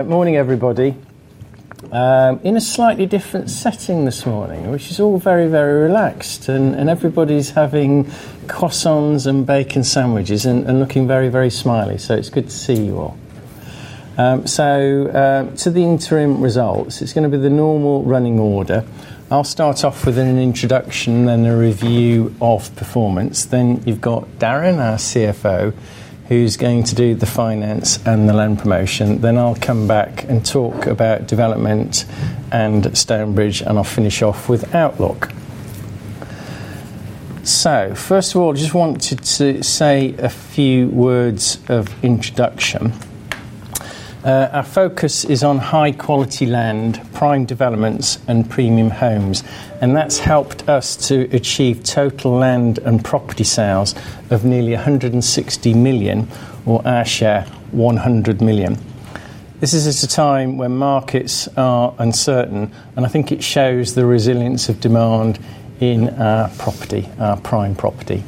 Good morning, everybody. In a slightly different setting this morning, which is all very, very relaxed, and everybody's having croissants and bacon sandwiches and looking very, very smiley. It's good to see you all. To the interim results, it's going to be the normal running order. I'll start off with an introduction and a review of performance. Then you've got Darren, our CFO, who's going to do the finance and the land promotion. I'll come back and talk about development and Stonebridge, and I'll finish off with Outlook. First of all, I just wanted to say a few words of introduction. Our focus is on high-quality land, prime developments, and premium homes, and that's helped us to achieve total land and property sales of nearly 160 million, or our share, 100 million. This is at a time when markets are uncertain, and I think it shows the resilience of demand in our property, our prime property.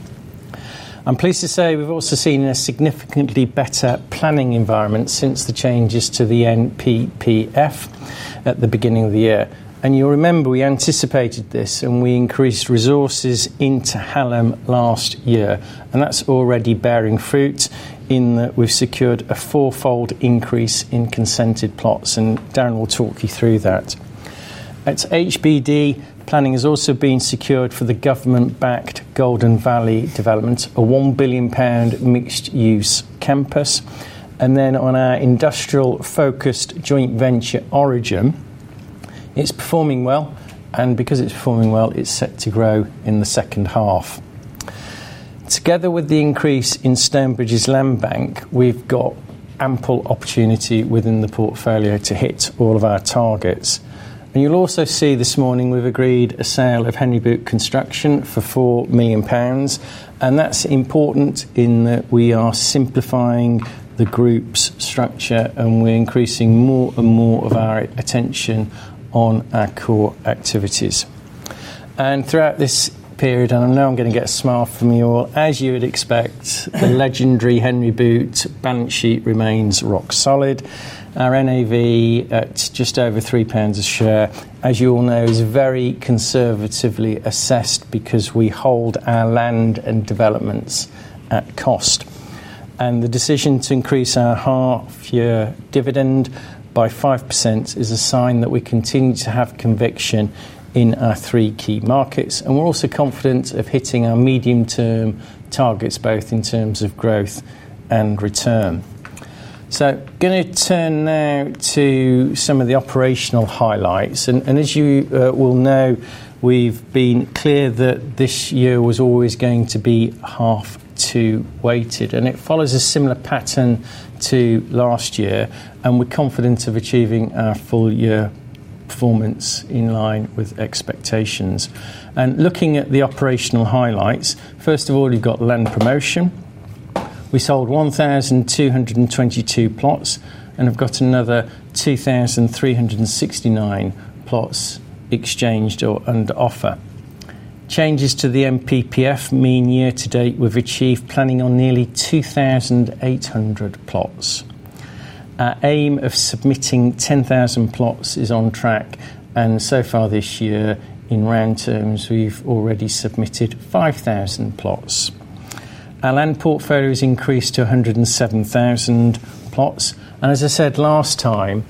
I'm pleased to say we've also seen a significantly better planning environment since the changes to the NPPF at the beginning of the year. You'll remember we anticipated this, and we increased resources into Hallam last year, and that's already bearing fruit in that we've secured a four-fold increase in consented plots, and Darren will talk you through that. At HBD, planning has also been secured for the government-backed Golden Valley development, a 1 billion pound mixed-use campus. On our industrial-focused joint venture, Origin, it's performing well, and because it's performing well, it's set to grow in the second half. Together with the increase in Stonebridge's land bank, we've got ample opportunity within the portfolio to hit all of our targets. You'll also see this morning we've agreed a sale of Henry Boot Construction for 4 million pounds, and that's important in that we are simplifying the group's structure and we're increasing more and more of our attention on our core activities. Throughout this period, and I know I'm going to get a smile from you all, as you would expect, the legendary Henry Boot balance sheet remains rock solid. Our NAV at just over 3 pounds a share, as you all know, is very conservatively assessed because we hold our land and developments at cost. The decision to increase our half-year dividend by 5% is a sign that we continue to have conviction in our three key markets, and we're also confident of hitting our medium-term targets, both in terms of growth and return. I'm going to turn now to some of the operational highlights, and as you will know, we've been clear that this year was always going to be half-two weighted. It follows a similar pattern to last year, and we're confident of achieving our full-year performance in line with expectations. Looking at the operational highlights, first of all, you've got land promotion. We sold 1,222 plots and have got another 2,369 plots exchanged or under offer. Changes to the NPPF mean year to date we've achieved planning on nearly 2,800 plots. Our aim of submitting 10,000 plots is on track, and so far this year, in round terms, we've already submitted 5,000 plots. Our land portfolio has increased to 107,000 plots, and as I said last time,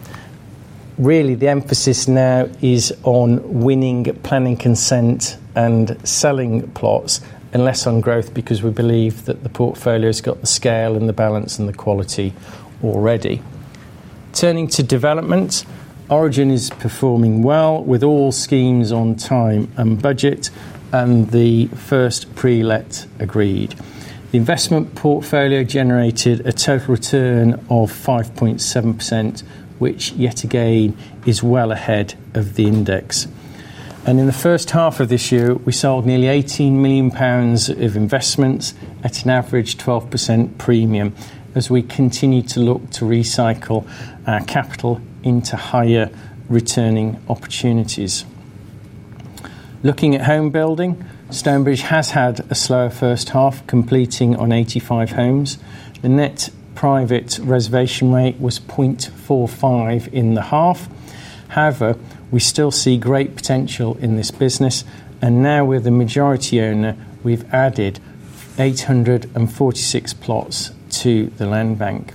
really the emphasis now is on winning planning consent and selling plots, and less on growth because we believe that the portfolio has got the scale and the balance and the quality already. Turning to development, Origin is performing well with all schemes on time and budget, and the first pre-let agreed. The investment portfolio generated a total return of 5.7%, which yet again is well ahead of the index. In the first half of this year, we sold nearly 18 million pounds of investments at an average 12% premium, as we continue to look to recycle our capital into higher returning opportunities. Looking at home building, Stonebridge has had a slower first half, completing on 85 homes. The net private reservation rate was 0.45 in the half. However, we still see great potential in this business, and now with the majority owner, we've added 846 plots to the land bank.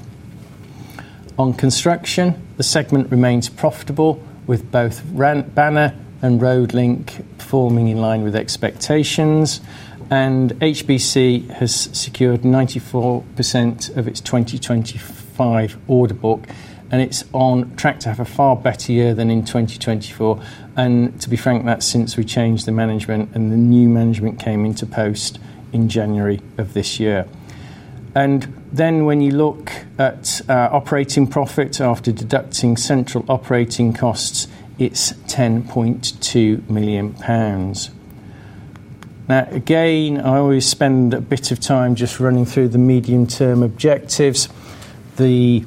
On construction, the segment remains profitable with both Banner Plant and Road Link performing in line with expectations, and HBC has secured 94% of its 2025 order book, and it's on track to have a far better year than in 2024. To be frank, that's since we changed the management and the new management came into post in January of this year. When you look at operating profit after deducting central operating costs, it's 10.2 million pounds. I always spend a bit of time just running through the medium-term objectives. The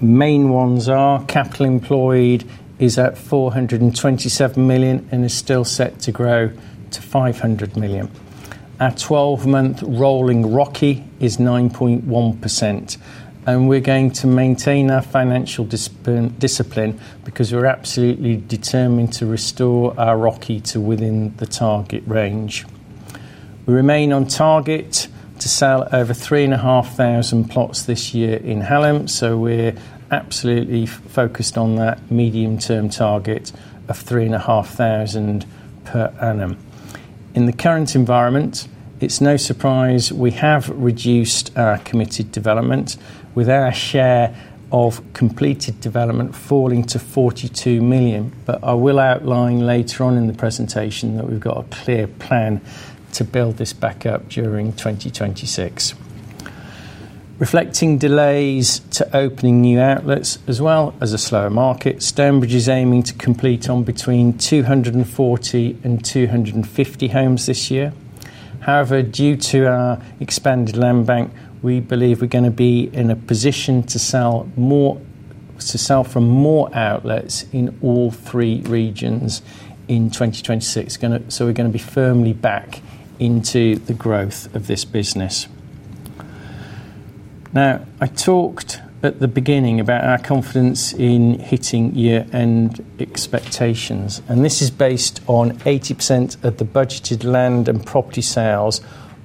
main ones are capital employed is at 427 million and is still set to grow to 500 million. Our 12-month rolling ROCE is 9.1%, and we're going to maintain our financial discipline because we're absolutely determined to restore our ROCE to within the target range. We remain on target to sell over 3,500 plots this year in Hallam, so we're absolutely focused on that medium-term target of 3,500 per annum. In the current environment, it's no surprise we have reduced our committed development, with our share of completed development falling to 42 million, but I will outline later on in the presentation that we've got a clear plan to build this back up during 2026. Reflecting delays to opening new outlets, as well as a slower market, Stonebridge is aiming to complete on between 240 and 250 homes this year. However, due to our expanded land bank, we believe we're going to be in a position to sell from more outlets in all three regions in 2026. We're going to be firmly back into the growth of this business. I talked at the beginning about our confidence in hitting year-end expectations, and this is based on 80% of the budgeted land and property sales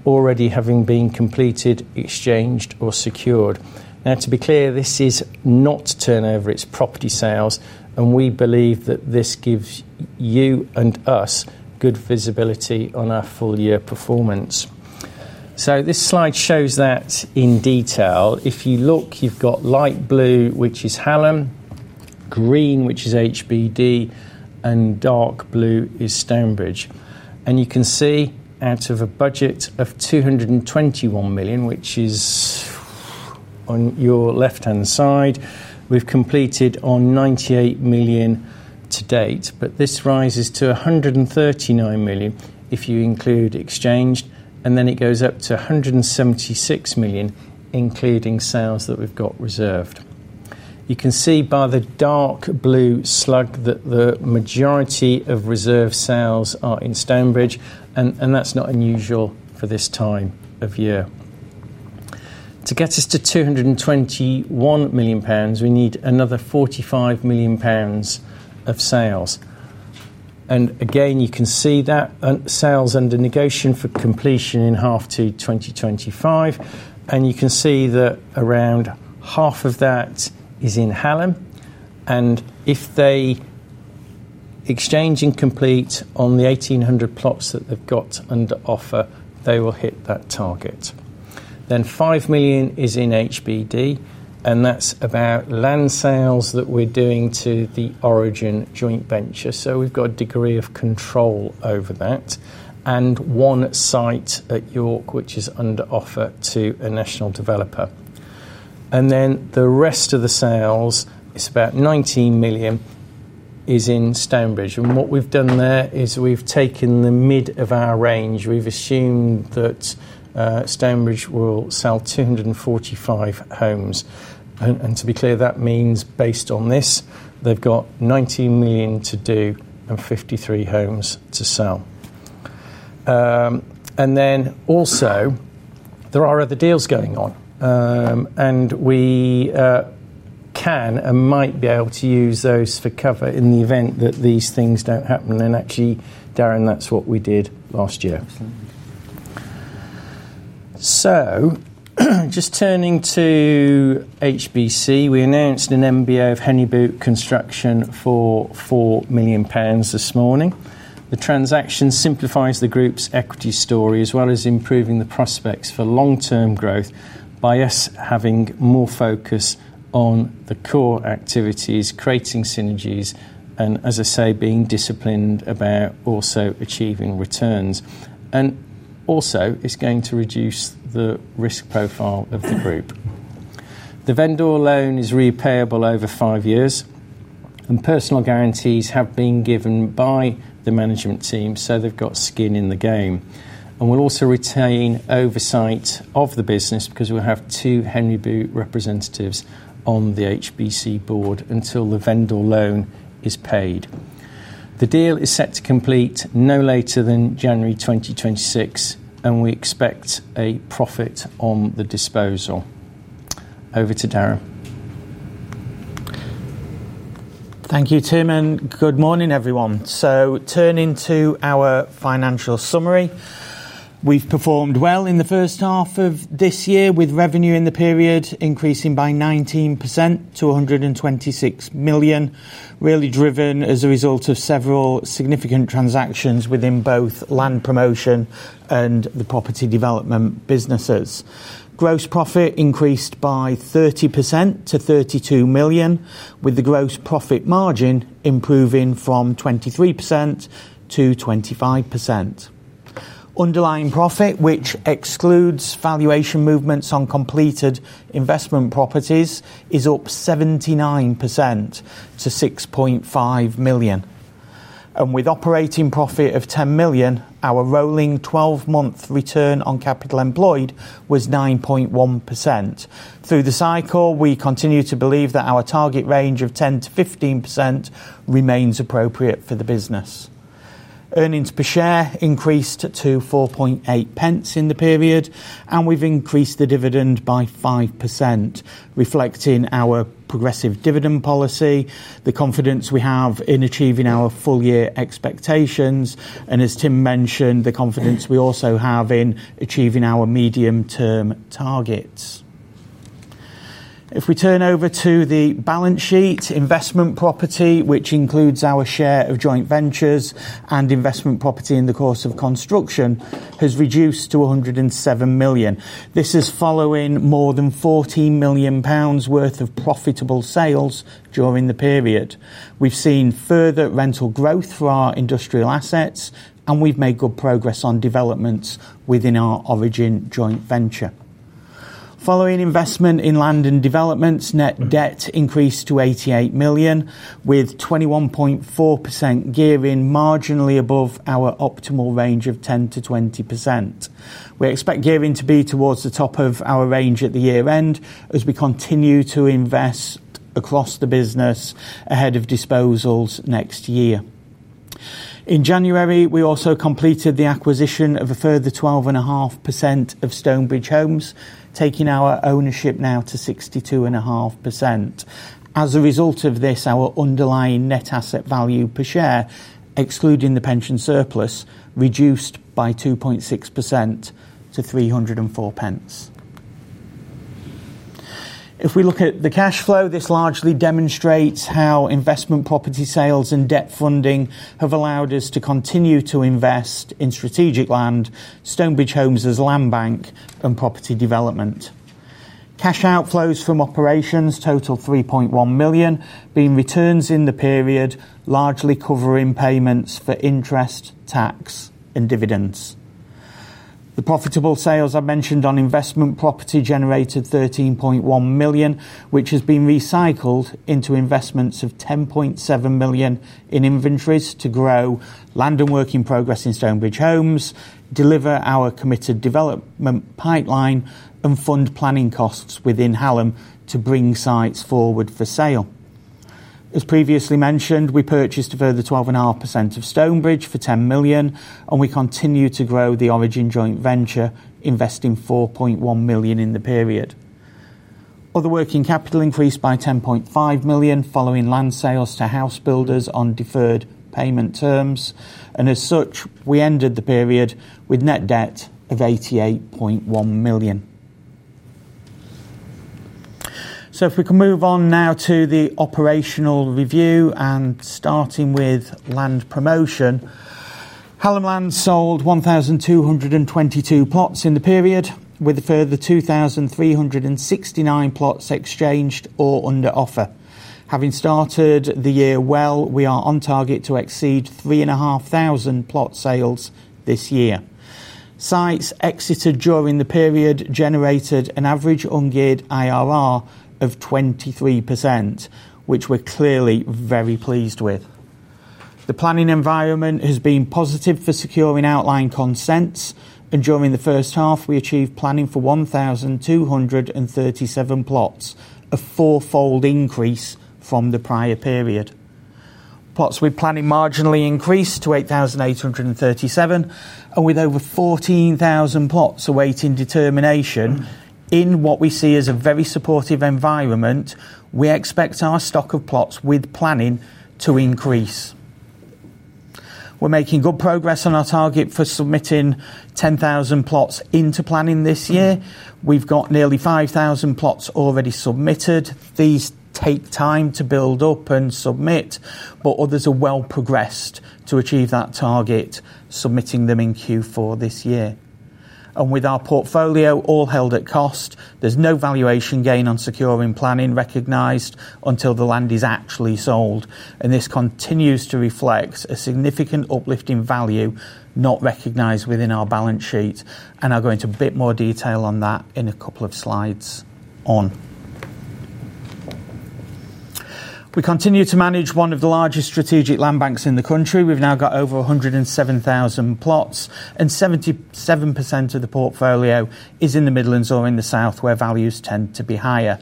already having been completed, exchanged, or secured. To be clear, this is not turnover, it's property sales, and we believe that this gives you and us good visibility on our full-year performance. This slide shows that in detail. If you look, you've got light blue, which is Hallam, green, which is HBD, and dark blue is Stonebridge. You can see out of a budget of 221 million, which is on your left-hand side, we've completed on 98 million to date, but this rises to 139 million if you include exchange, and then it goes up to 176 million including sales that we've got reserved. You can see by the dark blue slug that the majority of reserved sales are in Stonebridge, and that's not unusual for this time of year. To get us to 221 million pounds, we need another 45 million pounds of sales. You can see that sales under negotiation for completion in half two 2025, and you can see that around half of that is in Hallam, and if they exchange and complete on the 1,800 plots that they've got under offer, they will hit that target. 5 million is in HBD, and that's about land sales that we're doing to the Origin joint venture, so we've got a degree of control over that, and one site at York, which is under offer to a national developer. The rest of the sales, it's about 19 million, is in Stonebridge, and what we've done there is we've taken the mid of our range. We've assumed that Stonebridge Homes will sell 245 homes, and to be clear, that means based on this, they've got 19 million to do and 53 homes to sell. There are other deals going on, and we can and might be able to use those for cover in the event that these things don't happen. Actually, Darren, that's what we did last year. Turning to HBC, we announced an MBO of Henry Boot Construction for 4 million pounds this morning. The transaction simplifies the group's equity story, as well as improving the prospects for long-term growth by us having more focus on the core activities, creating synergies, and, as I say, being disciplined about also achieving returns. It's going to reduce the risk profile of the group. The vendor loan is repayable over five years, and personal guarantees have been given by the management team, so they've got skin in the game. We'll also retain oversight of the business because we'll have two Henry Boot representatives on the HBC board until the vendor loan is paid. The deal is set to complete no later than January 2026, and we expect a profit on the disposal. Over to Darren. Thank you, Tim, and good morning, everyone. Turning to our financial summary, we've performed well in the first half of this year with revenue in the period increasing by 19% to 126 million, really driven as a result of several significant transactions within both land promotion and the property development businesses. Gross profit increased by 30% to 32 million, with the gross profit margin improving from 23% to 25%. Underlying profit, which excludes valuation movements on completed investment properties, is up 79% to 6.5 million. With operating profit of 10 million, our rolling 12-month return on capital employed was 9.1%. Through the cycle, we continue to believe that our target range of 10%-15% remains appropriate for the business. Earnings per share increased to 4.8 pence in the period, and we've increased the dividend by 5%, reflecting our progressive dividend policy, the confidence we have in achieving our full-year expectations, and as Tim mentioned, the confidence we also have in achieving our medium-term targets. If we turn over to the balance sheet, investment property, which includes our share of joint ventures and investment property in the course of construction, has reduced to 107 million. This is following more than 14 million pounds worth of profitable sales during the period. We've seen further rental growth for our industrial assets, and we've made good progress on developments within our Origin joint venture. Following investment in land and developments, net debt increased to 88 million, with 21.4% gearing marginally above our optimal range of 10%-20%. We expect gearing to be towards the top of our range at the year-end as we continue to invest across the business ahead of disposals next year. In January, we also completed the acquisition of a further 12.5% of Stonebridge Homes, taking our ownership now to 62.5%. As a result of this, our underlying net asset value per share, excluding the pension surplus, reduced by 2.6% to 304 pence. If we look at the cash flow, this largely demonstrates how investment property sales and debt funding have allowed us to continue to invest in strategic land, Stonebridge Homes as land bank, and property development. Cash outflows from operations total 3.1 million, being returns in the period, largely covering payments for interest, tax, and dividends. The profitable sales I mentioned on investment property generated 13.1 million, which has been recycled into investments of 10.7 million in inventories to grow land and work in progress in Stonebridge Homes, deliver our committed development pipeline, and fund planning costs within Hallam to bring sites forward for sale. As previously mentioned, we purchased a further 12.5% of Stonebridge for 10 million, and we continue to grow the Origin joint venture, investing 4.1 million in the period. Other working capital increased by 10.5 million following land sales to house builders on deferred payment terms, and as such, we ended the period with net debt of 88.1 million. If we can move on now to the operational review and starting with land promotion, Hallam Land sold 1,222 plots in the period, with a further 2,369 plots exchanged or under offer. Having started the year well, we are on target to exceed 3,500 plot sales this year. Sites exited during the period generated an average ungeared IRR of 23%, which we're clearly very pleased with. The planning environment has been positive for securing outlying consents, and during the first half, we achieved planning for 1,237 plots, a four-fold increase from the prior period. Plots with planning marginally increased to 8,837 plots, and with over 14,000 plots awaiting determination in what we see as a very supportive environment, we expect our stock of plots with planning to increase. We're making good progress on our target for submitting 10,000 plots into planning this year. We've got nearly 5,000 plots already submitted. These take time to build up and submit, but others are well progressed to achieve that target, submitting them in Q4 this year. With our portfolio all held at cost, there's no valuation gain on securing planning recognized until the land is actually sold, and this continues to reflect a significant uplift in value not recognized within our balance sheet. I'll go into a bit more detail on that in a couple of slides on. We continue to manage one of the largest strategic land banks in the country. We've now got over 107,000 plots, and 77% of the portfolio is in the Midlands or in the South, where values tend to be higher.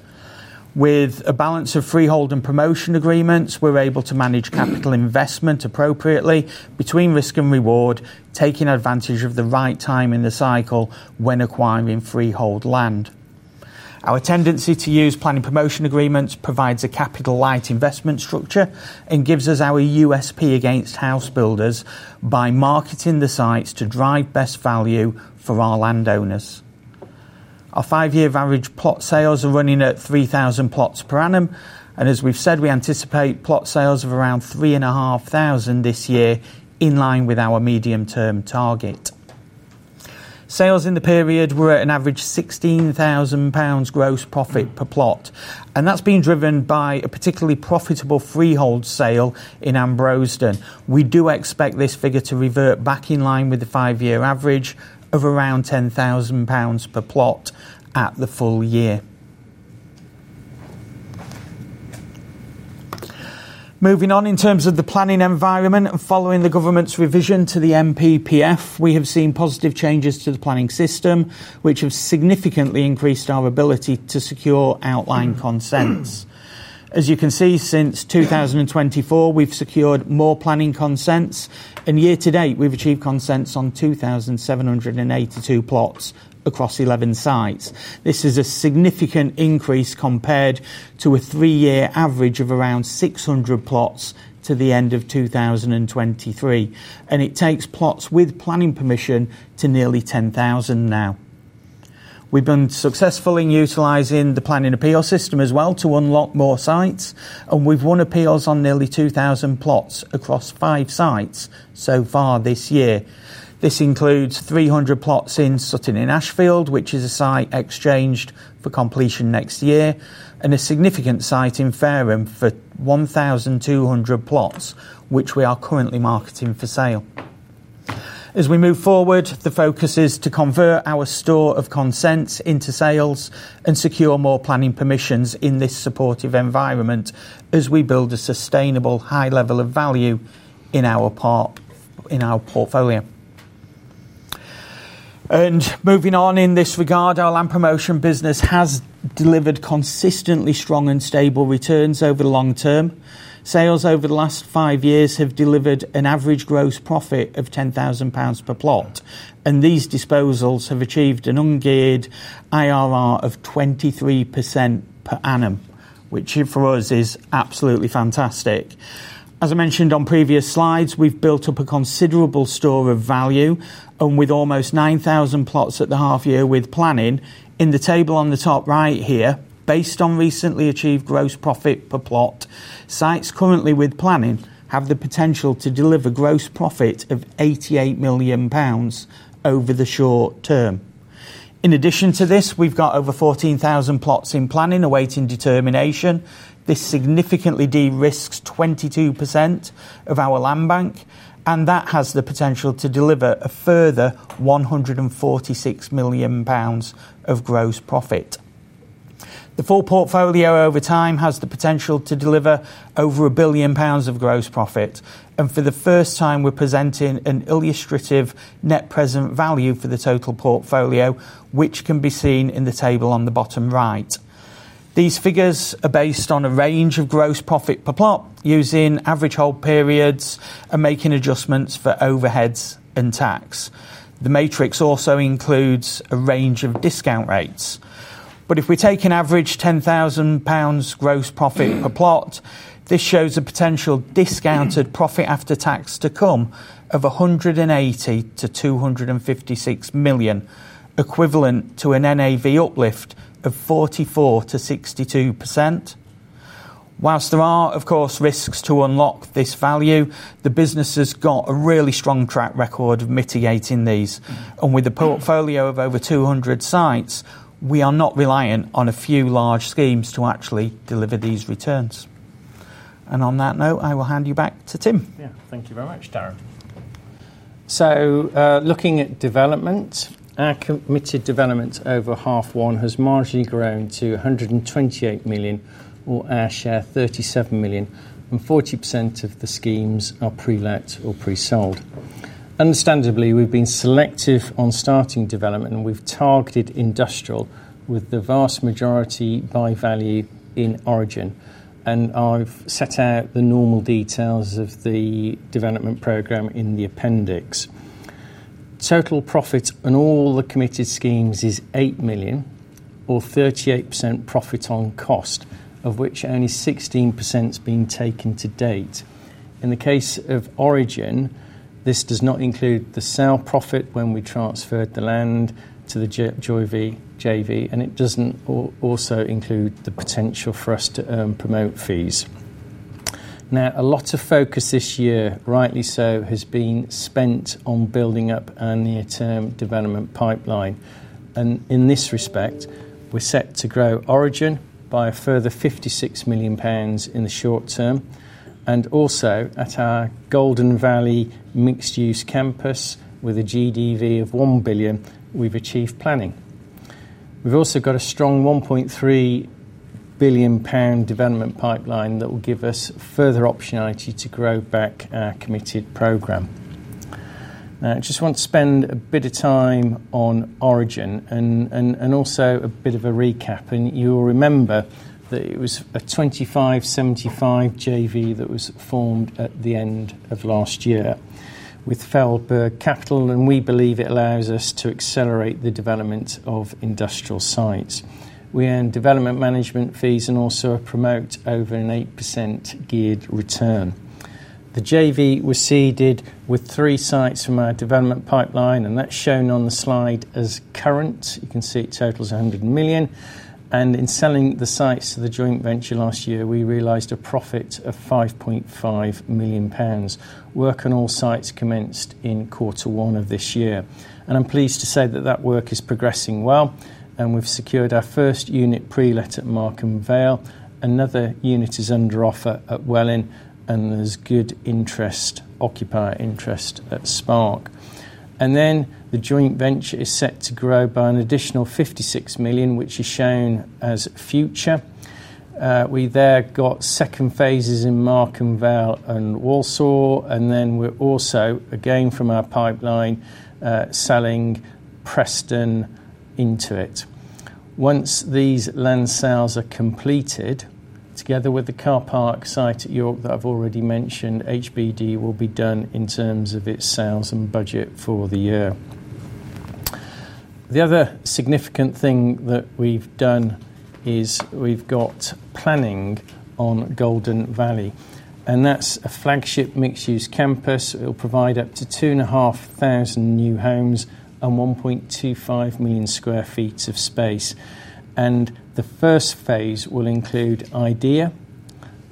With a balance of freehold and promotion agreements, we're able to manage capital investment appropriately between risk and reward, taking advantage of the right time in the cycle when acquiring freehold land. Our tendency to use planning promotion agreements provides a capital-light investment structure and gives us our USP against house builders by marketing the sites to drive best value for our land owners. Our five-year average plot sales are running at 3,000 plots per annum, and as we've said, we anticipate plot sales of around 3,500 this year in line with our medium-term target. Sales in the period were at an average of 16,000 pounds gross profit per plot, and that's been driven by a particularly profitable freehold sale in Ambrosden. We do expect this figure to revert back in line with the five-year average of around 10,000 pounds per plot at the full year. Moving on in terms of the planning environment and following the government's revision to the NPPF, we have seen positive changes to the planning system, which have significantly increased our ability to secure outlying consents. As you can see, since 2024, we've secured more planning consents, and year to date, we've achieved consents on 2,782 plots across 11 sites. This is a significant increase compared to a three-year average of around 600 plots to the end of 2023, and it takes plots with planning permission to nearly 10,000 now. We've been successful in utilizing the planning appeal system as well to unlock more sites, and we've won appeals on nearly 2,000 plots across five sites so far this year. This includes 300 plots in Sutton-in-Ashfield, which is a site exchanged for completion next year, and a significant site in Fareham for 1,200 plots, which we are currently marketing for sale. As we move forward, the focus is to convert our store of consents into sales and secure more planning permissions in this supportive environment as we build a sustainable high level of value in our portfolio. Moving on in this regard, our land promotion business has delivered consistently strong and stable returns over the long term. Sales over the last five years have delivered an average gross profit of 10,000 pounds per plot, and these disposals have achieved an ungeared IRR of 23% per annum, which for us is absolutely fantastic. As I mentioned on previous slides, we've built up a considerable store of value, and with almost 9,000 plots at the half year with planning, in the table on the top right here, based on recently achieved gross profit per plot, sites currently with planning have the potential to deliver gross profit of 88 million pounds over the short term. In addition to this, we've got over 14,000 plots in planning awaiting determination. This significantly de-risks 22% of our land bank, and that has the potential to deliver a further 146 million pounds of gross profit. The full portfolio over time has the potential to deliver over 1 billion pounds of gross profit, and for the first time, we're presenting an illustrative net present value for the total portfolio, which can be seen in the table on the bottom right. These figures are based on a range of gross profit per plot using average hold periods and making adjustments for overheads and tax. The matrix also includes a range of discount rates. If we take an average 10,000 pounds gross profit per plot, this shows a potential discounted profit after tax to come of 180 million-256 million, equivalent to an NAV uplift of 44%-62%. Whilst there are, of course, risks to unlock this value, the business has got a really strong track record of mitigating these, and with a portfolio of over 200 sites, we are not reliant on a few large schemes to actually deliver these returns. On that note, I will hand you back to Tim. Thank you very much, Darren. Looking at development, our committed development over half one has marginally grown to 128 million, or our share 37 million, and 40% of the schemes are pre-let or pre-sold. Understandably, we've been selective on starting development, and we've targeted industrial with the vast majority by value in Origin. I've set out the normal details of the development program in the appendix. Total profit on all the committed schemes is 8 million, or 38% profit on cost, of which only 16% has been taken to date. In the case of Origin, this does not include the sale profit when we transferred the land to the JV, and it doesn't also include the potential for us to earn promote fees. A lot of focus this year, rightly so, has been spent on building up our near-term development pipeline, and in this respect, we're set to grow Origin by a further 56 million pounds in the short term, and also at our Golden Valley mixed-use campus with a GDV of 1 billion, we've achieved planning. We've also got a strong 1.3 billion pound development pipeline that will give us further optionality to grow back our committed program. I just want to spend a bit of time on Origin and also a bit of a recap, and you'll remember that it was a 25:75 JV that was formed at the end of last year with Feldberg Capital, and we believe it allows us to accelerate the development of industrial sites. We earn development management fees and also a promote over an 8% geared return. The JV was seeded with three sites from our development pipeline, and that's shown on the slide as current. You can see it totals 100 million, and in selling the sites to the joint venture last year, we realized a profit of 5.5 million pounds. Work on all sites commenced in quarter one of this year, and I'm pleased to say that work is progressing well, and we've secured our first unit pre-let at Markham Vale. Another unit is under offer at Welling, and there's good occupier interest at Spark. The joint venture is set to grow by an additional 56 million, which is shown as future. We've got second phases in Markham Vale and Walsall, and then we're also again from our pipeline selling Preston into it. Once these land sales are completed, together with the car park site at York that I've already mentioned, HBD will be done in terms of its sales and budget for the year. The other significant thing that we've done is we've got planning on Golden Valley, and that's a flagship mixed-use campus that will provide up to 2,500 new homes and 1.25 million sq ft of space. The first phase will include IDEA,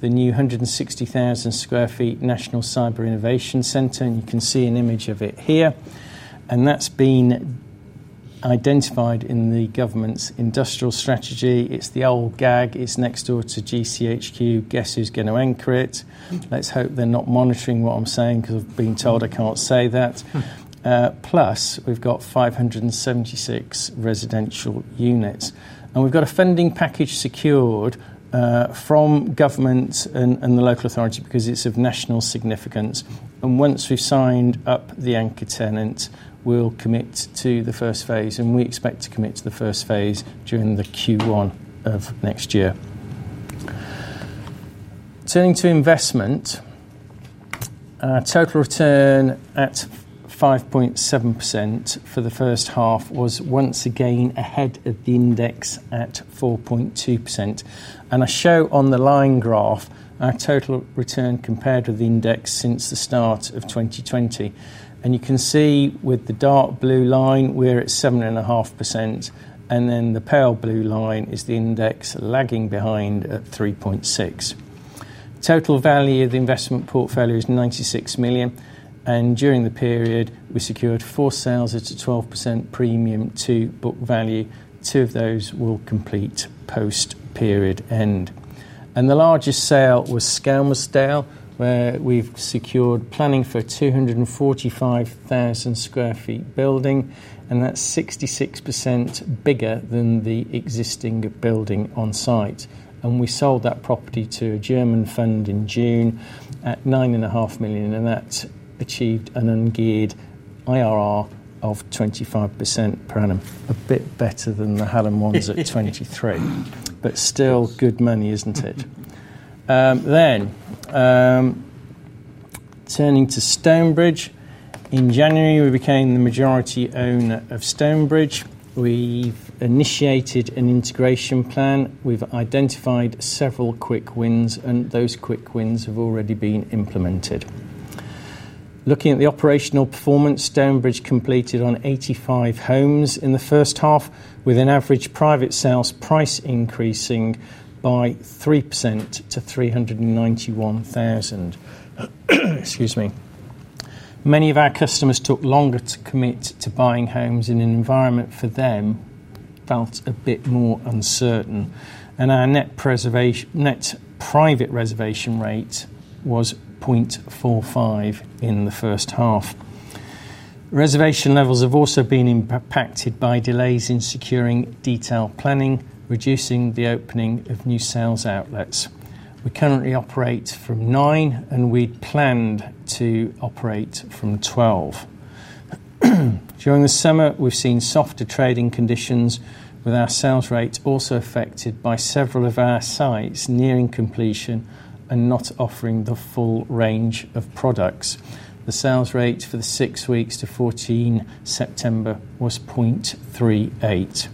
the new 160,000 sq ft National Cyber Innovation Center, and you can see an image of it here. That's been identified in the government's industrial strategy. It's the old gag, it's next door to GCHQ, guess who's going to anchor it? Let's hope they're not monitoring what I'm saying because I've been told I can't say that. Plus we've got 576 residential units, and we've got a funding package secured from government and the local authority because it's of national significance. Once we've signed up the anchor tenants, we'll commit to the first phase, and we expect to commit to the first phase during Q1 of next year. Turning to investment, our total return at 5.7% for the first half was once again ahead of the index at 4.2%. I show on the line graph our total return compared with the index since the start of 2020. You can see with the dark blue line, we're at 7.5%, and then the pale blue line is the index lagging behind at 3.6%. Total value of the investment portfolio is 96 million, and during the period, we secured four sales at a 12% premium to book value. Two of those will complete post-period end. The largest sale was Skelmersdale, where we've secured planning for a 245,000 sq ft building, and that's 66% bigger than the existing building on site. We sold that property to a German fund in June at 9.5 million, and that achieved an ungeared IRR of 25% per annum. A bit better than the Hallam ones at 23%, but still good money, isn't it? Turning to Stonebridge, in January, we became the majority owner of Stonebridge. We've initiated an integration plan. We've identified several quick wins, and those quick wins have already been implemented. Looking at the operational performance, Stonebridge completed on 85 homes in the first half, with an average private sales price increasing by 3% to 391,000. Excuse me. Many of our customers took longer to commit to buying homes in an environment for them felt a bit more uncertain. Our net private reservation rate was 0.45 in the first half. Reservation levels have also been impacted by delays in securing detailed planning, reducing the opening of new sales outlets. We currently operate from 9, and we'd planned to operate from 12. During the summer, we've seen softer trading conditions, with our sales rate also affected by several of our sites nearing completion and not offering the full range of products. The sales rate for the six weeks to 14 September was 0.38.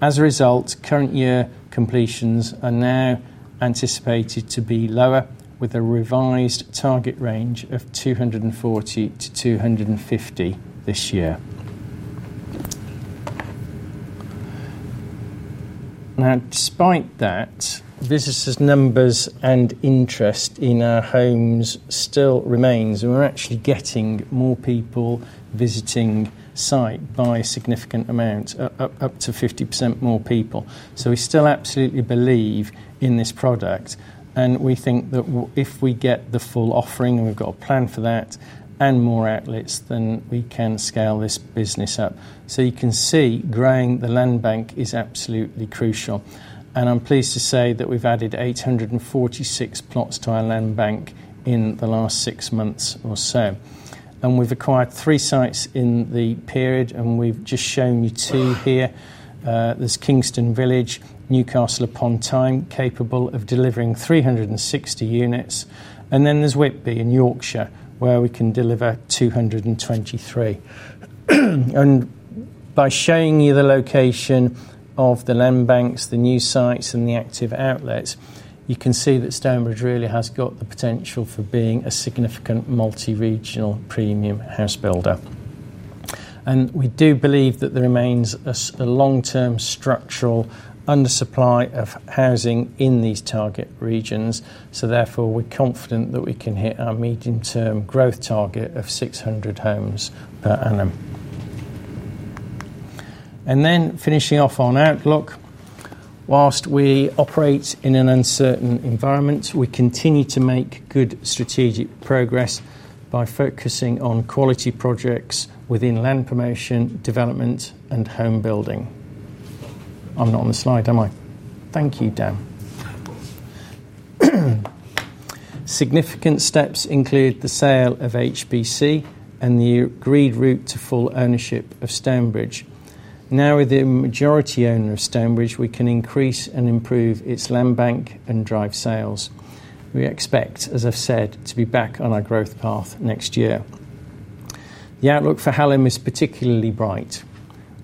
As a result, current year completions are now anticipated to be lower, with a revised target range of 240-250 this year. Despite that, visitors' numbers and interest in our homes still remain. We're actually getting more people visiting sites by a significant amount, up to 50% more people. We still absolutely believe in this product, and we think that if we get the full offering and we've got a plan for that and more outlets, we can scale this business up. You can see growing the land bank is absolutely crucial. I'm pleased to say that we've added 846 plots to our land bank in the last six months or so. We've acquired three sites in the period, and we've just shown you two here. There's Kingston Village, Newcastle upon Tyne, capable of delivering 360 units. There's Whitby in Yorkshire, where we can deliver 223. By showing you the location of the land banks, the new sites, and the active outlets, you can see that Stonebridge really has got the potential for being a significant multi-regional premium house builder. We do believe that there remains a long-term structural undersupply of housing in these target regions. Therefore, we're confident that we can hit our medium-term growth target of 600 homes per annum. Finishing off on Outlook, whilst we operate in an uncertain environment, we continue to make good strategic progress by focusing on quality projects within land promotion, development, and home building. I'm not on the slide, am I? Thank you, Darren. Significant steps include the sale of HBC and the agreed route to full ownership of Stonebridge. Now, with the majority owner of Stonebridge, we can increase and improve its land bank and drive sales. We expect, as I've said, to be back on our growth path next year. The outlook for Hallam is particularly bright,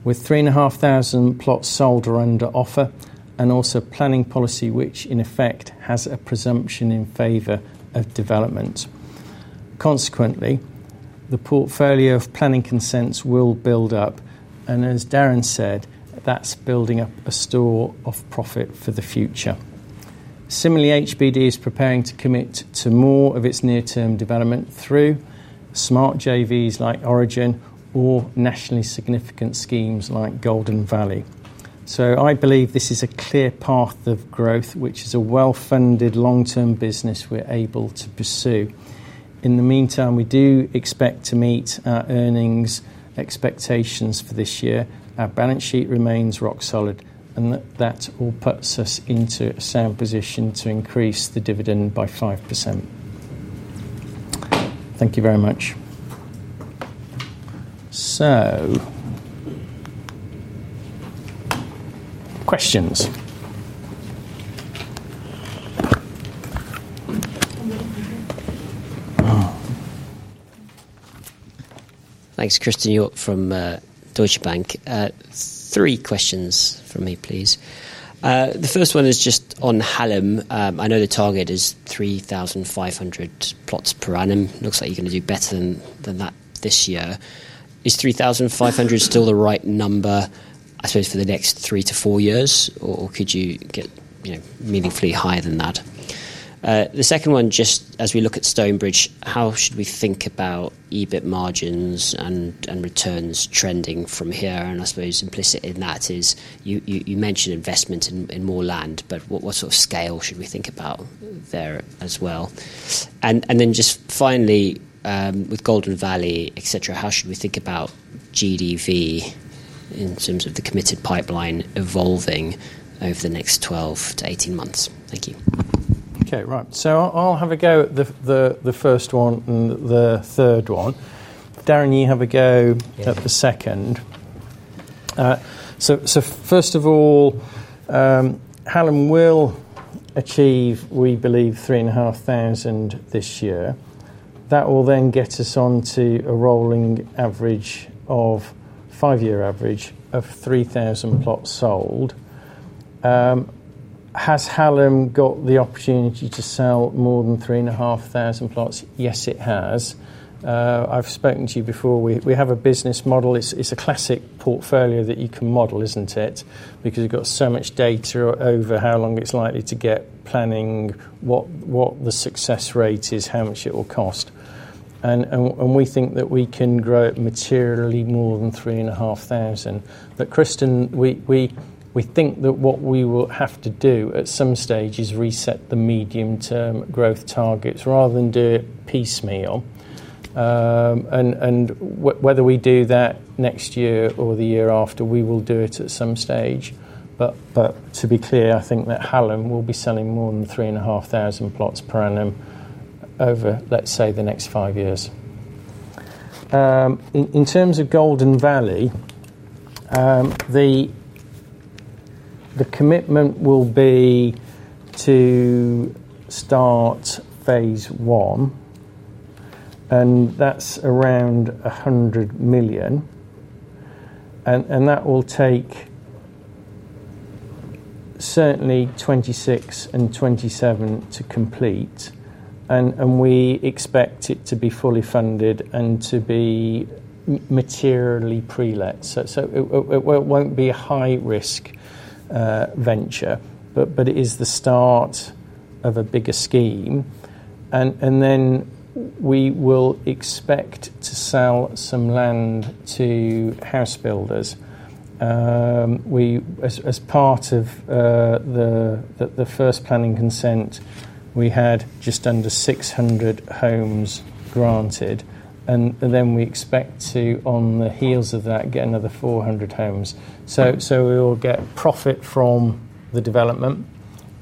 with 3,500 plots sold or under offer, and also planning policy, which in effect has a presumption in favor of development. Consequently, the portfolio of planning consents will build up, and as Darren Littlewood said, that's building up a store of profit for the future. Similarly, HBD is preparing to commit to more of its near-term development through smart JVs like Origin or nationally significant schemes like Golden Valley. I believe this is a clear path of growth, which is a well-funded long-term business we're able to pursue. In the meantime, we do expect to meet our earnings expectations for this year. Our balance sheet remains rock solid, and that all puts us into a sound position to increase the dividend by 5%. Thank you very much. Questions? Thanks, Christy York from Deutsche Bank. Three questions from me, please. The first one is just on Hallam. I know the target is 3,500 plots per annum. Looks like you're going to do better than that this year. Is 3,500 still the right number, I suppose, for the next three to four years, or could you get, you know, meaningfully higher than that? The second one, just as we look at Stonebridge, how should we think about EBIT margins and returns trending from here? I suppose implicit in that is you mentioned investment in more land, but what sort of scale should we think about there as well? Finally, with Golden Valley, etc, how should we think about GDV in terms of the committed pipeline evolving over the next 12-18 months? Thank you. Okay, right. I'll have a go at the first one and the third one. Darren, you have a go at the second. First of all, Hallam will achieve, we believe, 3,500 this year. That will then get us onto a rolling average of five-year average of 3,000 plots sold. Has Hallam got the opportunity to sell more than 3,500 plots? Yes, it has. I've spoken to you before. We have a business model. It's a classic portfolio that you can model, isn't it? Because you've got so much data over how long it's likely to get planning, what the success rate is, how much it will cost. We think that we can grow it materially more than 3,500. Christy, we think that what we will have to do at some stage is reset the medium-term growth targets rather than do it piecemeal. Whether we do that next year or the year after, we will do it at some stage. To be clear, I think that Hallam will be selling more than 3,500 plots per annum over, let's say, the next five years. In terms of Golden Valley, the commitment will be to start phase I, and that's around 100 million. That will take certainly 2026 and 2027 to complete. We expect it to be fully funded and to be materially pre-let. It won't be a high-risk venture, but it is the start of a bigger scheme. We will expect to sell some land to house builders. As part of the first planning consent, we had just under 600 homes granted. We expect to, on the heels of that, get another 400 homes. We will get profit from the development,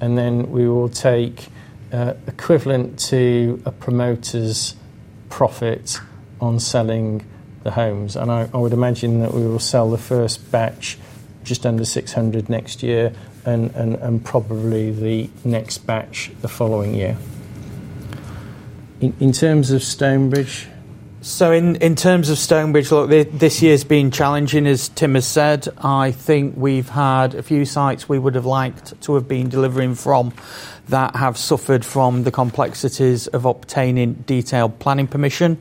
and then we will take equivalent to a promoter's profit on selling the homes. I would imagine that we will sell the first batch just under 600 next year and probably the next batch the following year. In terms of Stonebridge. In terms of Stonebridge, this year's been challenging, as Tim has said. I think we've had a few sites we would have liked to have been delivering from that have suffered from the complexities of obtaining detailed planning permission.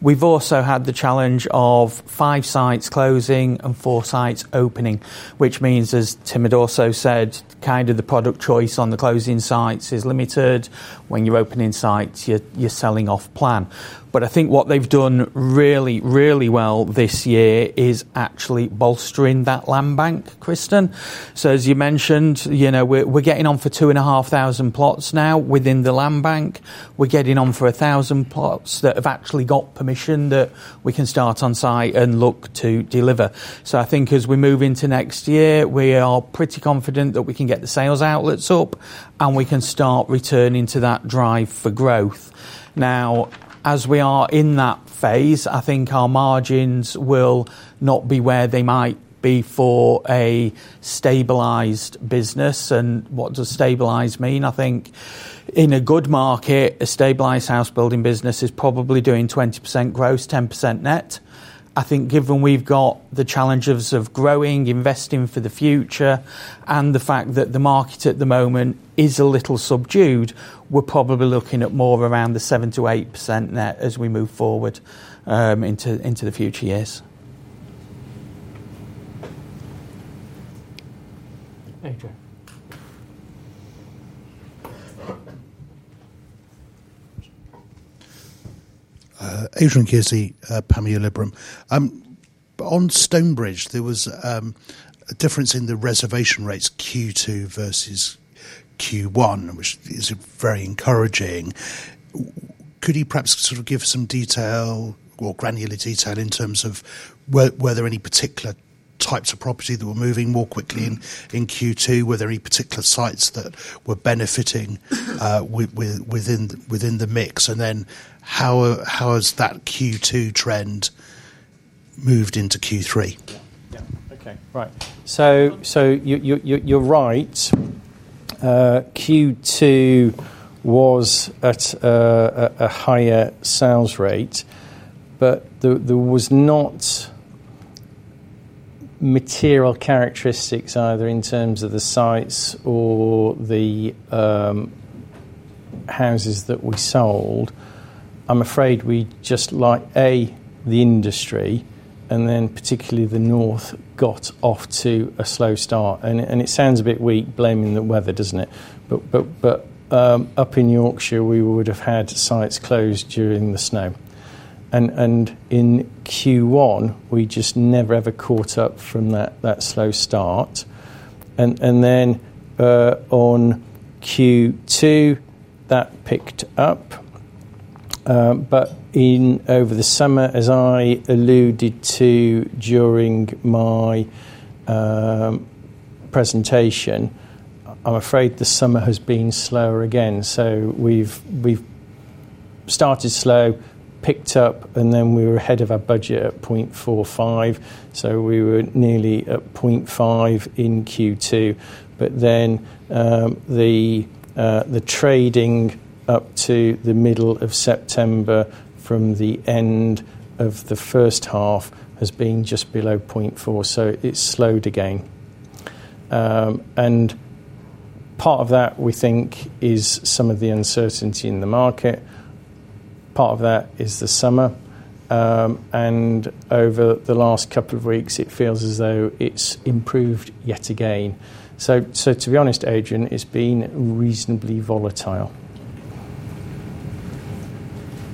We've also had the challenge of five sites closing and four sites opening, which means, as Tim had also said, the product choice on the closing sites is limited. When you're opening sites, you're selling off plan. I think what they've done really, really well this year is actually bolstering that land bank, Christy. As you mentioned, we're getting on for 2500 plots now within the land bank. We're getting on for a thousand plots that have actually got permission that we can start on site and look to deliver. As we move into next year, we are pretty confident that we can get the sales outlets up and we can start returning to that drive for growth. Now, as we are in that phase, I think our margins will not be where they might be for a stabilized business. What does stabilized mean? I think in a good market, a stabilized house building business is probably doing 20% gross, 10% net. Given we've got the challenges of growing, investing for the future, and the fact that the market at the moment is a little subdued, we're probably looking at more around the 7%-8% net as we move forward into the future years. Adrian. Adrian Kearsey Panmure Liberum. On Stonebridge, there was a difference in the reservation rates Q2 versus Q1, which is very encouraging. Could you perhaps give some detail or granular detail in terms of were there any particular types of property that were moving more quickly in Q2? Were there any particular sites that were benefiting within the mix? How has that Q2 trend moved into Q3? Yeah, okay, right. You're right. Q2 was at a higher sales rate, but there were not material characteristics either in terms of the sites or the houses that we sold. I'm afraid we just, like the industry, and then particularly the north, got off to a slow start. It sounds a bit weak blaming the weather, doesn't it? Up in Yorkshire, we would have had sites closed during the snow. In Q1, we just never ever caught up from that slow start. In Q2, that picked up. Over the summer, as I alluded to during my presentation, I'm afraid the summer has been slower again. We've started slow, picked up, and then we were ahead of our budget at 0.45. We were nearly at 0.5 in Q2. The trading up to the middle of September from the end of the first half has been just below 0.4, so it's slowed again. Part of that, we think, is some of the uncertainty in the market. Part of that is the summer. Over the last couple of weeks, it feels as though it's improved yet again. To be honest, Adrian, it's been reasonably volatile.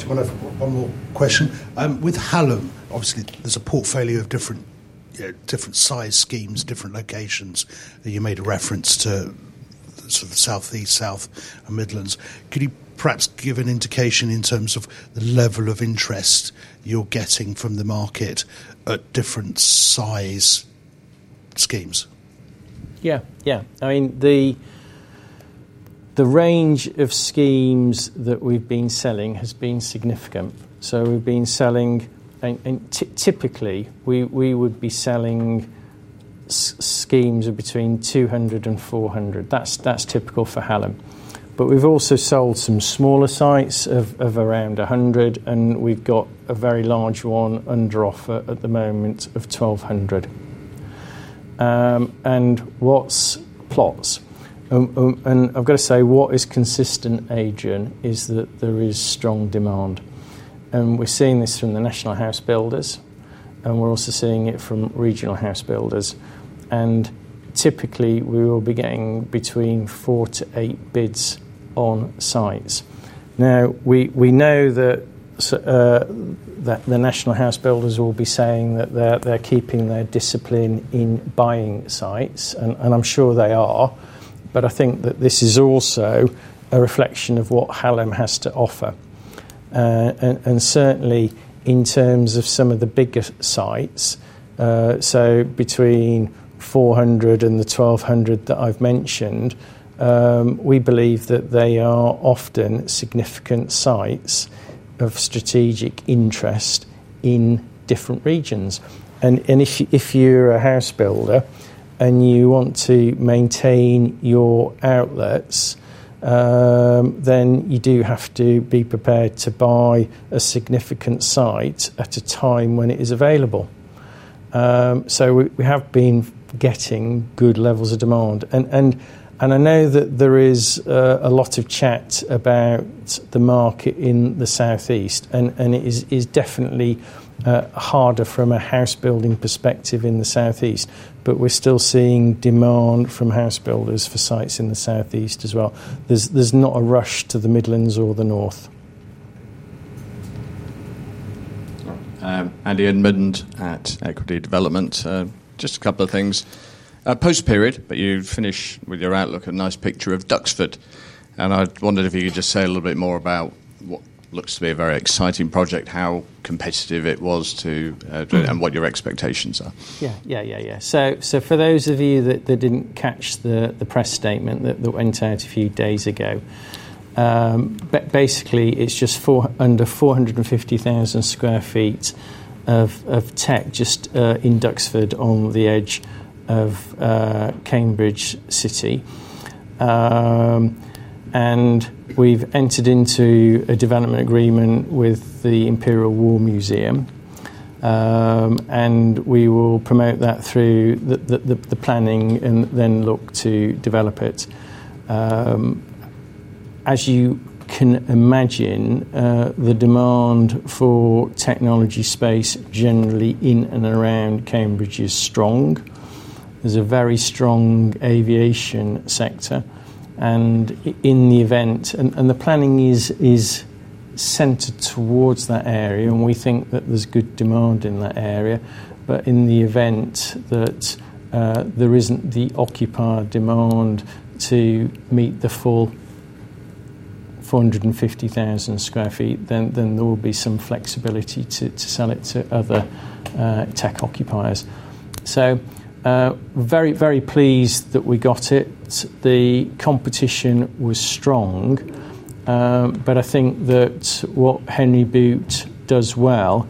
I want to ask one more question. With Hallam Land Management, obviously, there's a portfolio of different, you know, different size schemes, different locations. You made a reference to sort of the southeast, south, and Midlands. Could you perhaps give an indication in terms of the level of interest you're getting from the market at different size schemes? Yeah, yeah. I mean, the range of schemes that we've been selling has been significant. We've been selling, and typically, we would be selling schemes of between 200 and 400. That's typical for Hallam Land Management. We've also sold some smaller sites of around 100, and we've got a very large one under offer at the moment of 1,200. What's plots? I've got to say, what is consistent, Adrian, is that there is strong demand. We're seeing this from the national house builders, and we're also seeing it from regional house builders. Typically, we will be getting between four to eight bids on sites. We know that the national house builders will be saying that they're keeping their discipline in buying sites, and I'm sure they are, but I think that this is also a reflection of what Hallam Land Management has to offer. Certainly, in terms of some of the bigger sites, so between 400 and the 1,200 that I've mentioned, we believe that they are often significant sites of strategic interest in different regions. If you're a house builder and you want to maintain your outlets, then you do have to be prepared to buy a significant site at a time when it is available. We have been getting good levels of demand. I know that there is a lot of chat about the market in the southeast, and it is definitely harder from a house building perspective in the southeast, but we're still seeing demand from house builders for sites in the southeast as well. There's not a rush to the Midlands or the north. Alien Madent at Equity Development. Just a couple of things. Post-period, you finish with your outlook and nice picture of Duxford. I wondered if you could just say a little bit more about what looks to be a very exciting project, how competitive it was to do it, and what your expectations are. For those of you that didn't catch the press statement that went out a few days ago, basically, it's just under 450,000 sq ft of tech just in Duxford on the edge of Cambridge City. We've entered into a development agreement with the Imperial War Museum. We will promote that through the planning and then look to develop it. As you can imagine, the demand for technology space generally in and around Cambridge is strong. There's a very strong aviation sector. The planning is centered towards that area, and we think that there's good demand in that area. In the event that there isn't the occupied demand to meet the full 450,000 sq ft, there will be some flexibility to sell it to other tech occupiers. Very, very pleased that we got it. The competition was strong. I think that what Henry Boot does well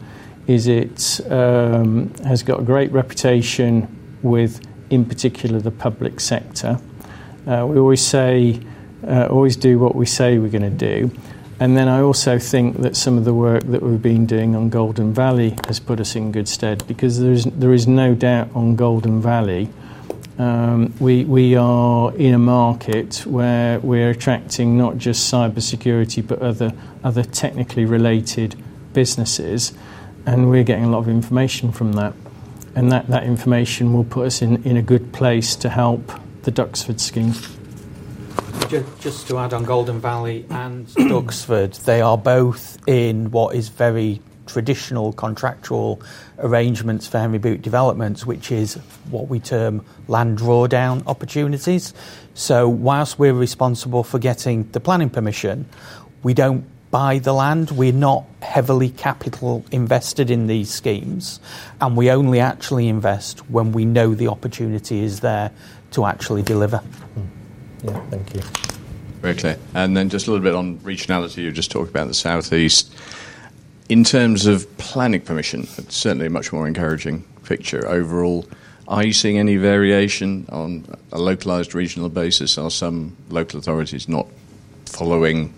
is it has got a great reputation with, in particular, the public sector. We always say, always do what we say we're going to do. I also think that some of the work that we've been doing on Golden Valley has put us in good stead because there is no doubt on Golden Valley. We are in a market where we're attracting not just cybersecurity, but other technically related businesses. We're getting a lot of information from that. That information will put us in a good place to help the Duxford scheme. Just to add on Golden Valley and Duxford, they are both in what is very traditional contractual arrangements for Henry Boot Developments, which is what we term land drawdown opportunities. Whilst we're responsible for getting the planning permission, we don't buy the land. We're not heavily capital invested in these schemes. We only actually invest when we know the opportunity is there to actually deliver. Thank you. Very clear. Just a little bit on regionality, you just talked about the southeast. In terms of planning permission, it's certainly a much more encouraging picture overall. Are you seeing any variation on a localized regional basis? Are some local authorities not following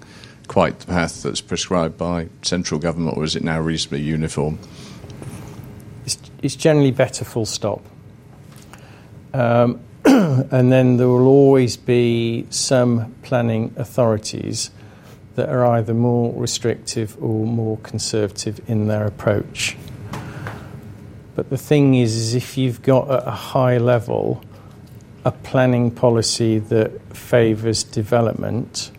quite the path that's prescribed by central government, or is it now reasonably uniform? It's generally better, full stop. There will always be some planning authorities that are either more restrictive or more conservative in their approach. The thing is, if you've got at a high level a planning policy that favors development,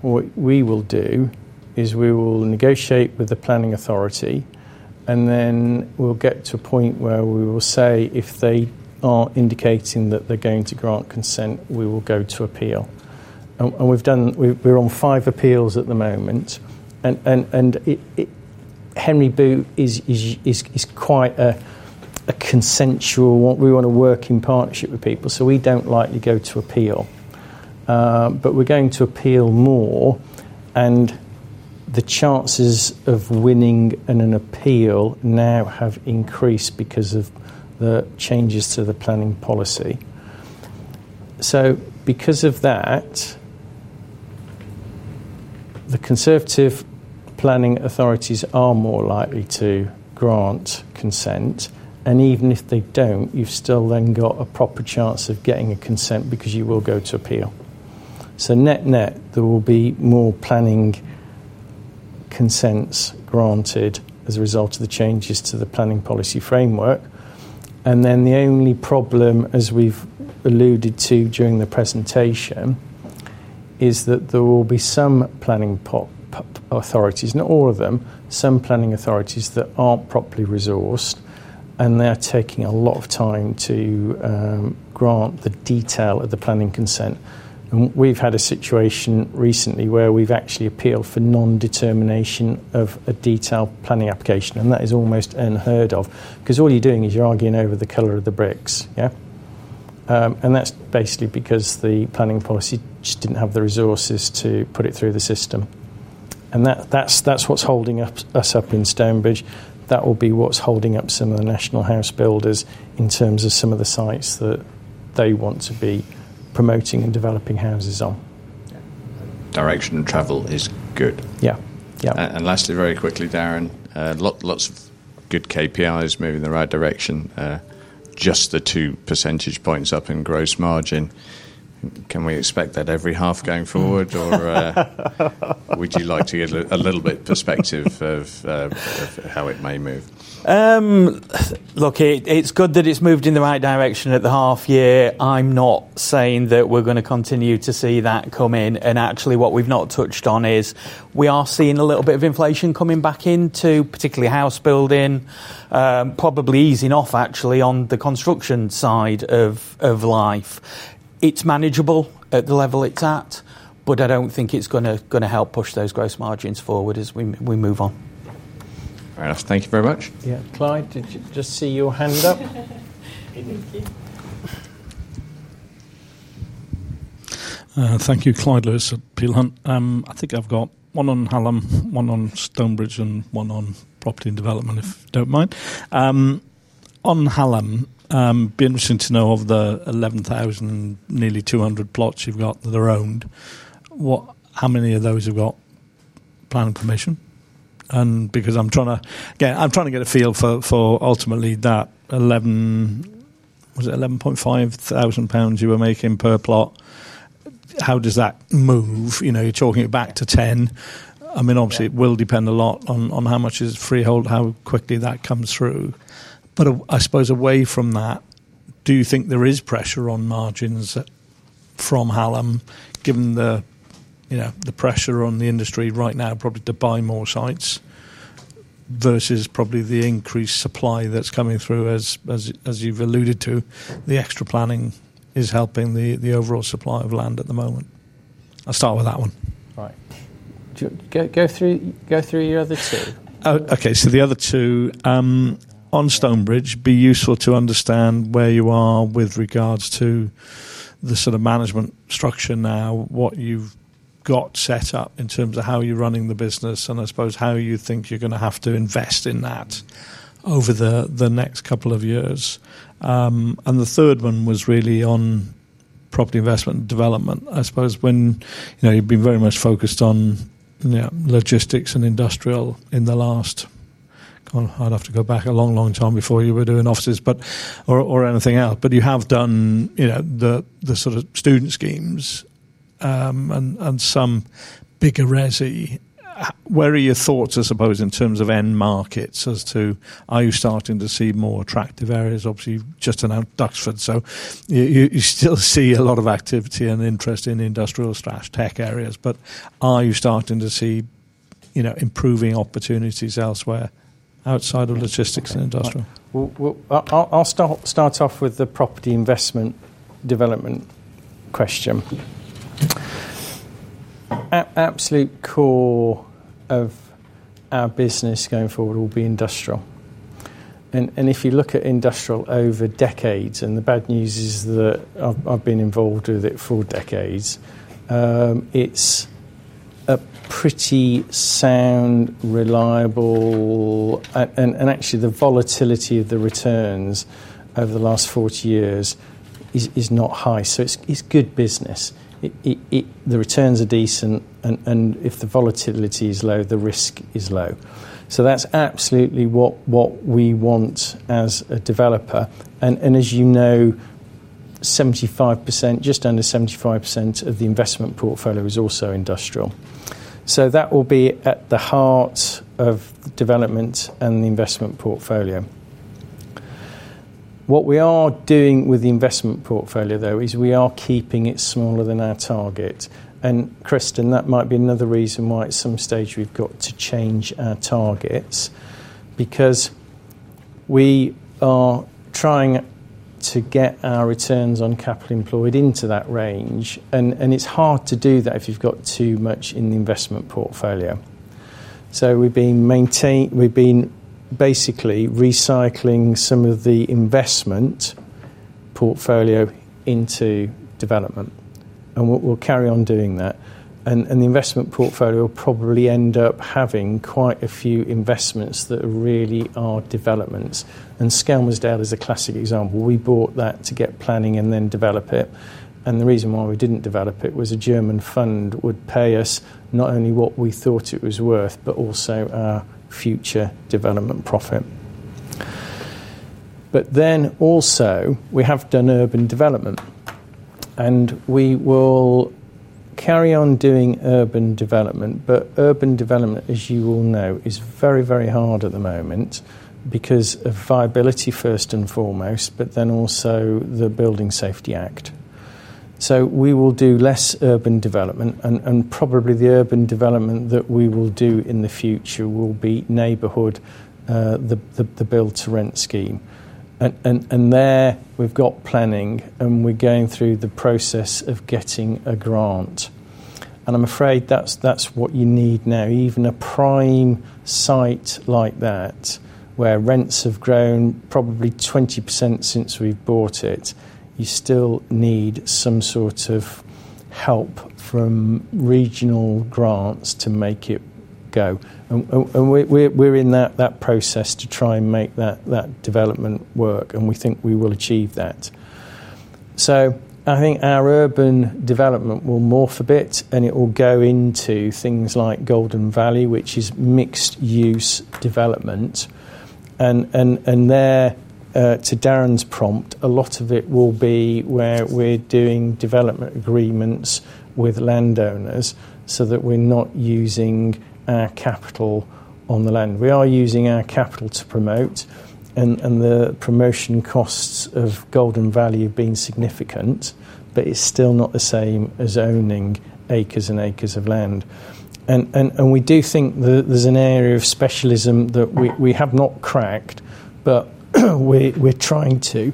what we will do is we will negotiate with the planning authority, and then we'll get to a point where we will say if they are indicating that they're going to grant consent, we will go to appeal. We've done, we're on five appeals at the moment. Henry Boot is quite a consensual one. We want to work in partnership with people, so we don't like to go to appeal. We're going to appeal more, and the chances of winning an appeal now have increased because of the changes to the planning policy. Because of that, the conservative planning authorities are more likely to grant consent. Even if they don't, you've still then got a proper chance of getting a consent because you will go to appeal. Net-net, there will be more planning consents granted as a result of the changes to the planning policy framework. The only problem, as we've alluded to during the presentation, is that there will be some planning authorities, not all of them, some planning authorities that aren't properly resourced, and they're taking a lot of time to grant the detail of the planning consent. We've had a situation recently where we've actually appealed for non-determination of a detailed planning application, and that is almost unheard of because all you're doing is you're arguing over the color of the bricks, yeah? That's basically because the planning authority just didn't have the resources to put it through the system. That's what's holding us up in Stonebridge. That will be what's holding up some of the national house builders in terms of some of the sites that they want to be promoting and developing houses on. Direction of travel is good. Yeah, yeah. Lastly, very quickly, Darren, lots of good KPIs moving in the right direction. Just the two percentage points up in gross margin. Can we expect that every half going forward, or would you like to give a little bit of perspective of how it may move? Look, it's good that it's moved in the right direction at the half year. I'm not saying that we're going to continue to see that come in, and actually what we've not touched on is we are seeing a little bit of inflation coming back into, particularly housebuilding, probably easing off actually on the construction side of life. It's manageable at the level it's at, but I don't think it's going to help push those gross margins forward as we move on. All right, thank you very much. Yeah, Clyde, did you just see your hand up? Thank you, Clyde Lewis of Peel Hunt. I think I've got one on Hallam, one on Stonebridge, and one on property and development, if you don't mind. On Hallam, it'd be interesting to know of the 11,200 plots you've got that are owned. How many of those have got planning permission? I'm trying to get a feel for ultimately that 11, was it 11,500 pounds you were making per plot? How does that move? You're talking it back to 10. It will depend a lot on how much is freehold, how quickly that comes through. I suppose away from that, do you think there is pressure on margins from Hallam, given the pressure on the industry right now probably to buy more sites versus probably the increased supply that's coming through, as you've alluded to, the extra planning is helping the overall supply of land at the moment? I'll start with that one. All right. Go through your other two. Okay, so the other two. On Stonebridge, it'd be useful to understand where you are with regards to the sort of management structure now, what you've got set up in terms of how you're running the business, and I suppose how you think you're going to have to invest in that over the next couple of years. The third one was really on property investment and development. I suppose when, you know, you've been very much focused on, you know, logistics and industrial in the last, God, I'd have to go back a long, long time before you were doing offices or anything else. You have done, you know, the sort of student schemes and some bigger resi. Where are your thoughts, I suppose, in terms of end markets as to are you starting to see more attractive areas? Obviously, you've just announced Duxford, so you still see a lot of activity and interest in industrial/tech areas, but are you starting to see, you know, improving opportunities elsewhere outside of logistics and industrial? I'll start off with the property investment development question. Our absolute core of our business going forward will be industrial. If you look at industrial over decades, and the bad news is that I've been involved with it for decades, it's a pretty sound, reliable, and actually the volatility of the returns over the last 40 years is not high. It's good business. The returns are decent, and if the volatility is low, the risk is low. That's absolutely what we want as a developer. As you know, 75%, just under 75% of the investment portfolio is also industrial. That will be at the heart of development and the investment portfolio. What we are doing with the investment portfolio, though, is we are keeping it smaller than our target. [Kristen], that might be another reason why at some stage we've got to change our targets because we are trying to get our returns on capital employed into that range. It's hard to do that if you've got too much in the investment portfolio. We've been basically recycling some of the investment portfolio into development. We'll carry on doing that. The investment portfolio will probably end up having quite a few investments that really are developments. Skelmersdale is a classic example. We bought that to get planning and then develop it. The reason why we didn't develop it was a German fund would pay us not only what we thought it was worth, but also our future development profit. We have done urban development. We will carry on doing urban development, but urban development, as you all know, is very, very hard at the moment because of viability first and foremost, but then also the Building Safety Act. We will do less urban development, and probably the urban development that we will do in the future will be neighborhood, the build-to-rent scheme. There, we've got planning, and we're going through the process of getting a grant. I'm afraid that's what you need now. Even a prime site like that, where rents have grown probably 20% since we've bought it, you still need some sort of help from regional grants to make it go. We're in that process to try and make that development work, and we think we will achieve that. I think our urban development will morph a bit, and it will go into things like Golden Valley, which is mixed-use development. To Darren's prompt, a lot of it will be where we're doing development agreements with landowners so that we're not using our capital on the land. We are using our capital to promote, and the promotion costs of Golden Valley have been significant, but it's still not the same as owning acres and acres of land. We do think that there's an area of specialism that we have not cracked, but we're trying to.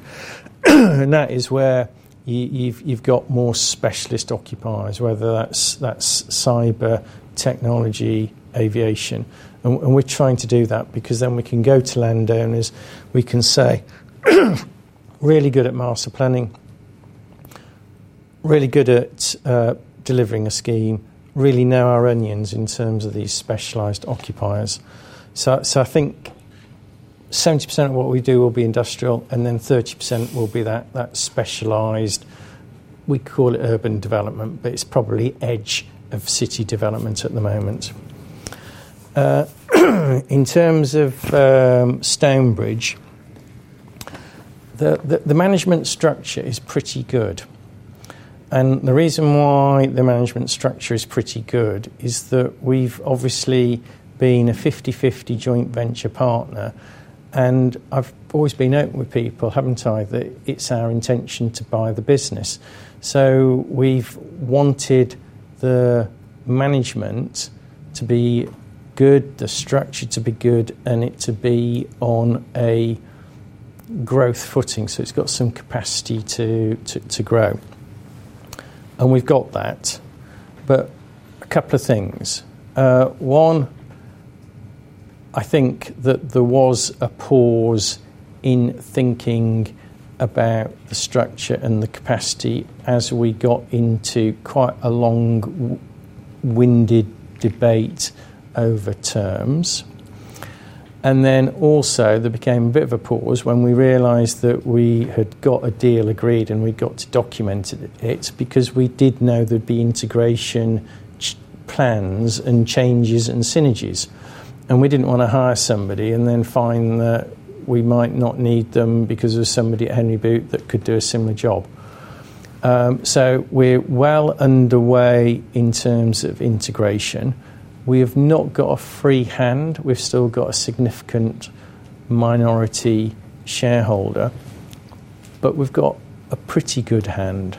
That is where you've got more specialist occupiers, whether that's cyber, technology, aviation. We're trying to do that because then we can go to landowners, we can say, really good at master planning, really good at delivering a scheme, really know our onions in terms of these specialized occupiers. I think 70% of what we do will be industrial, and 30% will be that specialized, we call it urban development, but it's probably edge of city development at the moment. In terms of Stonebridge Homes, the management structure is pretty good. The reason why the management structure is pretty good is that we've obviously been a 50/50 joint venture partner. I've always been open with people, haven't I, that it's our intention to buy the business. We've wanted the management to be good, the structure to be good, and it to be on a growth footing. It's got some capacity to grow. We've got that. A couple of things. One, I think that there was a pause in thinking about the structure and the capacity as we got into quite a long-winded debate over terms. There became a bit of a pause when we realized that we had got a deal agreed and we got to document it because we did know there'd be integration plans and changes and synergies. We didn't want to hire somebody and then find that we might not need them because there's somebody at Henry Boot that could do a similar job. We're well underway in terms of integration. We have not got a free hand. We've still got a significant minority shareholder, but we've got a pretty good hand.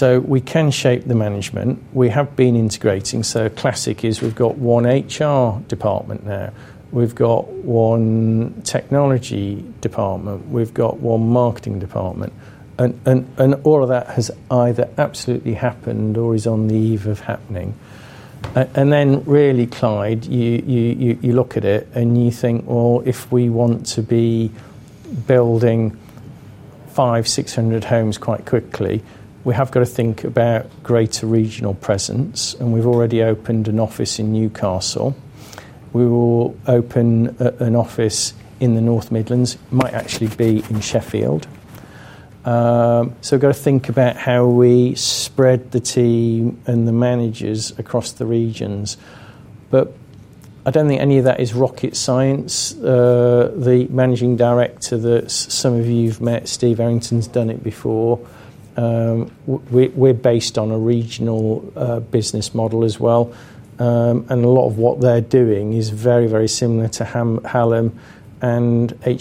We can shape the management. We have been integrating. Classic is we've got one HR department there. We've got one technology department. We've got one marketing department. All of that has either absolutely happened or is on the eve of happening. Really, Clyde, you look at it and you think, if we want to be building 500 homes, 600 homes quite quickly, we have got to think about greater regional presence. We've already opened an office in Newcastle. We will open an office in the North Midlands. It might actually be in Sheffield. We've got to think about how we spread the team and the managers across the regions. I don't think any of that is rocket science. The Managing Director that some of you've met, Steve Arrington, has done it before. We're based on a regional business model as well. A lot of what they're doing is very, very similar to Hallam Land Management and Henry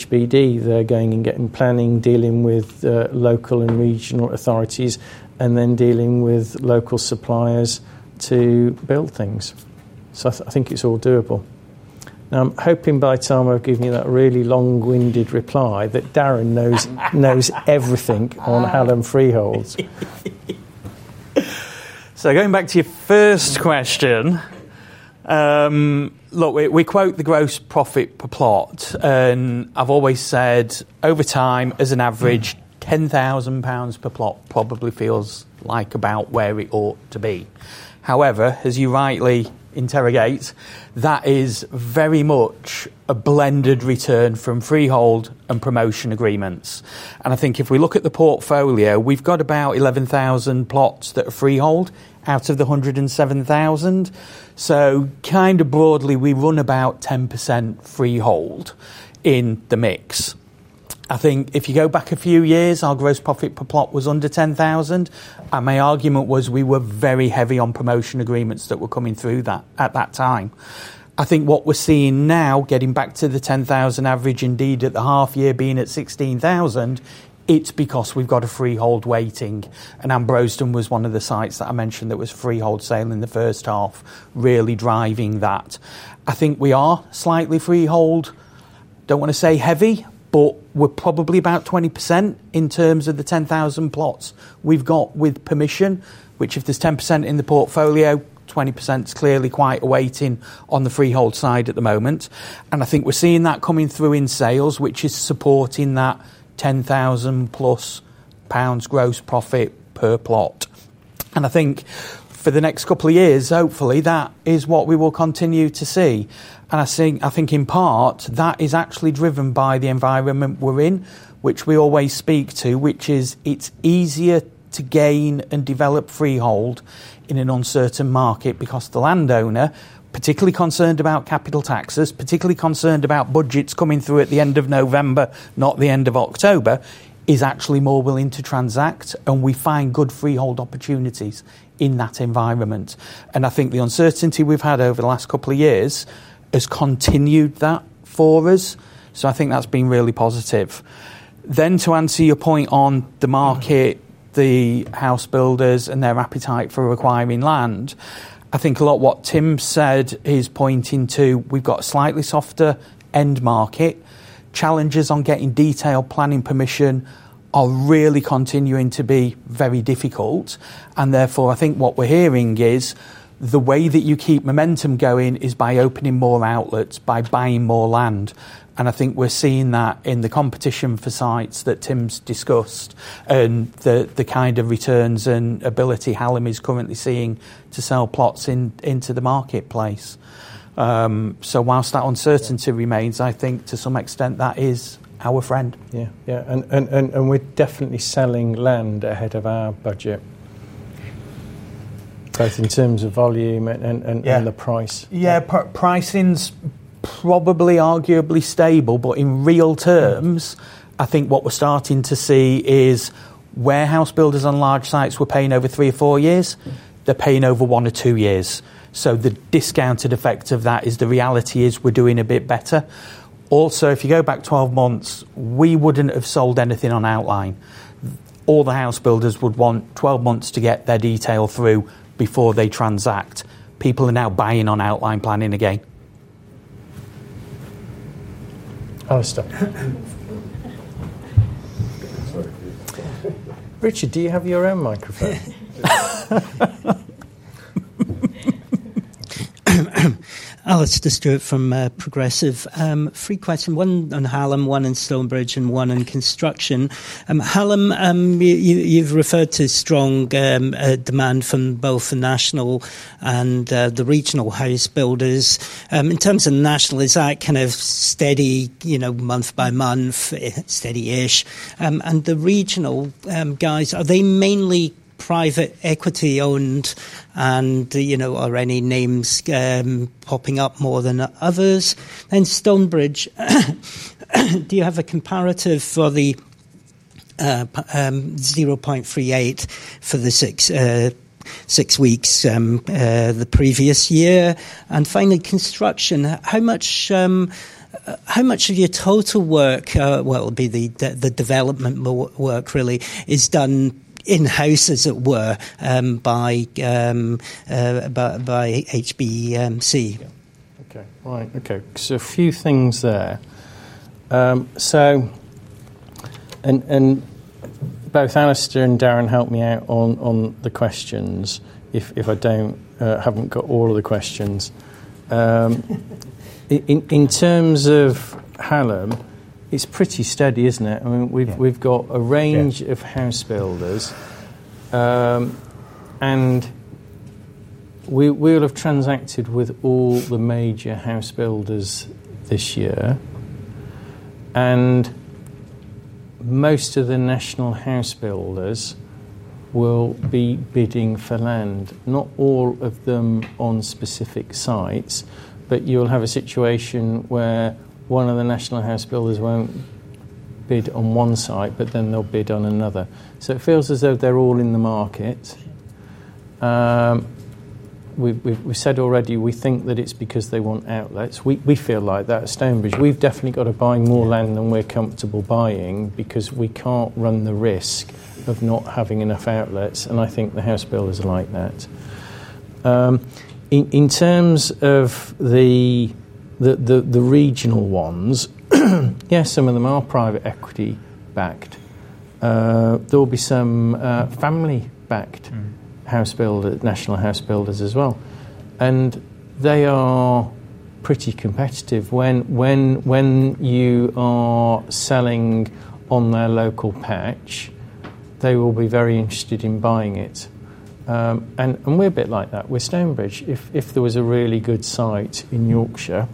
Boot Developments. They're going and getting planning, dealing with local and regional authorities, and then dealing with local suppliers to build things. I think it's all doable. Now I'm hoping by the time I've given you that really long-winded reply that Darren knows everything on Hallam Land Management freeholds. Going back to your first question, look, we quote the gross profit per plot, and I've always said over time, as an average, 10,000 pounds per plot probably feels like about where it ought to be. However, as you rightly interrogate, that is very much a blended return from freehold and promotion agreements. I think if we look at the portfolio, we've got about 11,000 plots that are freehold out of the 107,000. Broadly, we run about 10% freehold in the mix. If you go back a few years, our gross profit per plot was under 10,000, and my argument was we were very heavy on promotion agreements that were coming through at that time. What we're seeing now, getting back to the 10,000 average, indeed at the half year being at 16,000, it's because we've got a freehold weighting. Ambrosdon was one of the sites that I mentioned that was a freehold sale in the first half, really driving that. We are slightly freehold. I don't want to say heavy, but we're probably about 20% in terms of the 10,000 plots we've got with permission, which, if there's 10% in the portfolio, 20% is clearly quite a weighting on the freehold side at the moment. We're seeing that coming through in sales, which is supporting that 10,000+ pounds gross profit per plot. For the next couple of years, hopefully that is what we will continue to see. In part, that is actually driven by the environment we're in, which we always speak to, which is it's easier to gain and develop freehold in an uncertain market because the landowner, particularly concerned about capital taxes, particularly concerned about budgets coming through at the end of November, not the end of October, is actually more willing to transact. We find good freehold opportunities in that environment. The uncertainty we've had over the last couple of years has continued that for us. I think that's been really positive. To answer your point on the market, the house builders and their appetite for acquiring land, a lot of what Tim said is pointing to we've got a slightly softer end market. Challenges on getting detailed planning permission are really continuing to be very difficult. Therefore, what we're hearing is the way that you keep momentum going is by opening more outlets, by buying more land. We're seeing that in the competition for sites that Tim's discussed and the kind of returns and ability Hallam Land Management is currently seeing to sell plots into the marketplace. Whilst that uncertainty remains, to some extent that is our friend. Yeah, we're definitely selling land ahead of our budget. Both in terms of volume and the price. Yeah, pricing's probably arguably stable, but in real terms, I think what we're starting to see is where house builders on large sites were paying over three or four years, they're paying over one or two years. The discounted effect of that is the reality is we're doing a bit better. Also, if you go back 12 months, we wouldn't have sold anything on outline. All the house builders would want 12 months to get their detail through before they transact. People are now buying on outline planning again. Richard, do you have your own microphone? Alex Draut from Progressive. Free question, one on Hallam, one on Stonebridge, and one on construction. Hallam, you've referred to strong demand from both the national and the regional house builders. In terms of national, is that kind of steady, you know, month by month, steady-ish? The regional guys, are they mainly private equity owned? You know, are any names popping up more than others? Stonebridge, do you have a comparative for the 0.38 for the six weeks the previous year? Finally, construction, how much of your total work, it'd be the development work really, is done in-house, as it were, by HBC? Yeah, okay. All right. A few things there. Both Alastair and Darren helped me out on the questions. If I don't, I haven't got all of the questions. In terms of Hallam, it's pretty steady, isn't it? I mean, we've got a range of house builders, and we will have transacted with all the major house builders this year. Most of the national house builders will be bidding for land, not all of them on specific sites, but you'll have a situation where one of the national house builders won't bid on one site, but then they'll bid on another. It feels as though they're all in the market. We've said already we think that it's because they want outlets. We feel like that at Stonebridge. We've definitely got to buy more land than we're comfortable buying because we can't run the risk of not having enough outlets. I think the house builders are like that. In terms of the regional ones, yes, some of them are private equity backed. There'll be some family backed house builders, national house builders as well. They are pretty competitive. When you are selling on their local patch, they will be very interested in buying it. We're a bit like that. With Stonebridge, if there was a really good site in Yorkshire,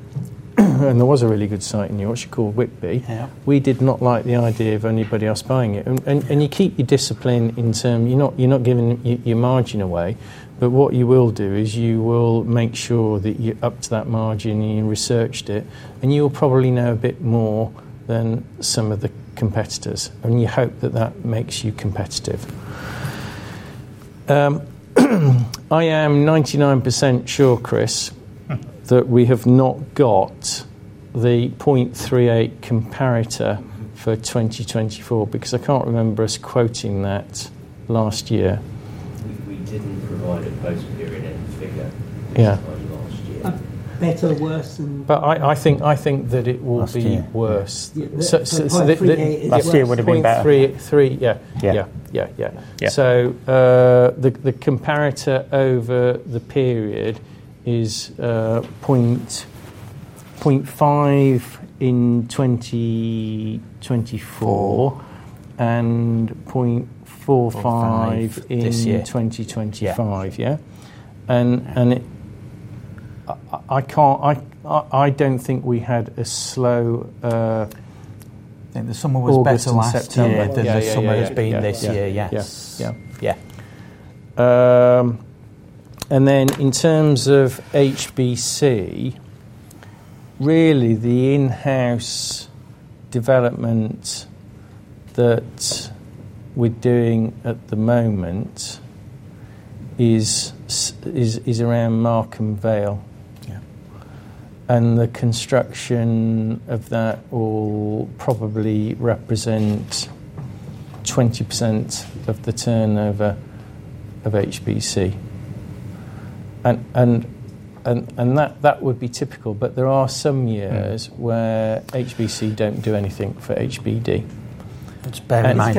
and there was a really good site in Yorkshire called Whitby, we did not like the idea of anybody else buying it. You keep your discipline in terms, you're not giving your margin away, but what you will do is you will make sure that you're up to that margin and you researched it, and you'll probably know a bit more than some of the competitors. You hope that that makes you competitive. I am 99% sure, Chris, that we have not got the 0.38 comparator for 2024 because I can't remember us quoting that last year. We didn't provide a post-period figure. Yeah. Last year. Better, worse, and... I think that it will be worse. So the... Last year would have been better. Three, yeah. Yeah, yeah, yeah. The comparator over the period is 0.5 in 2024 and 0.45 in 2025. I can't, I don't think we had a slow... I think the summer was better last year than the summer has been this year. In terms of HBC, really the in-house development that we're doing at the moment is around Markham Vale. The construction of that will probably represent 20% of the turnover of HBC. That would be typical, but there are some years where HBC don't do anything for HBD. That's bad money.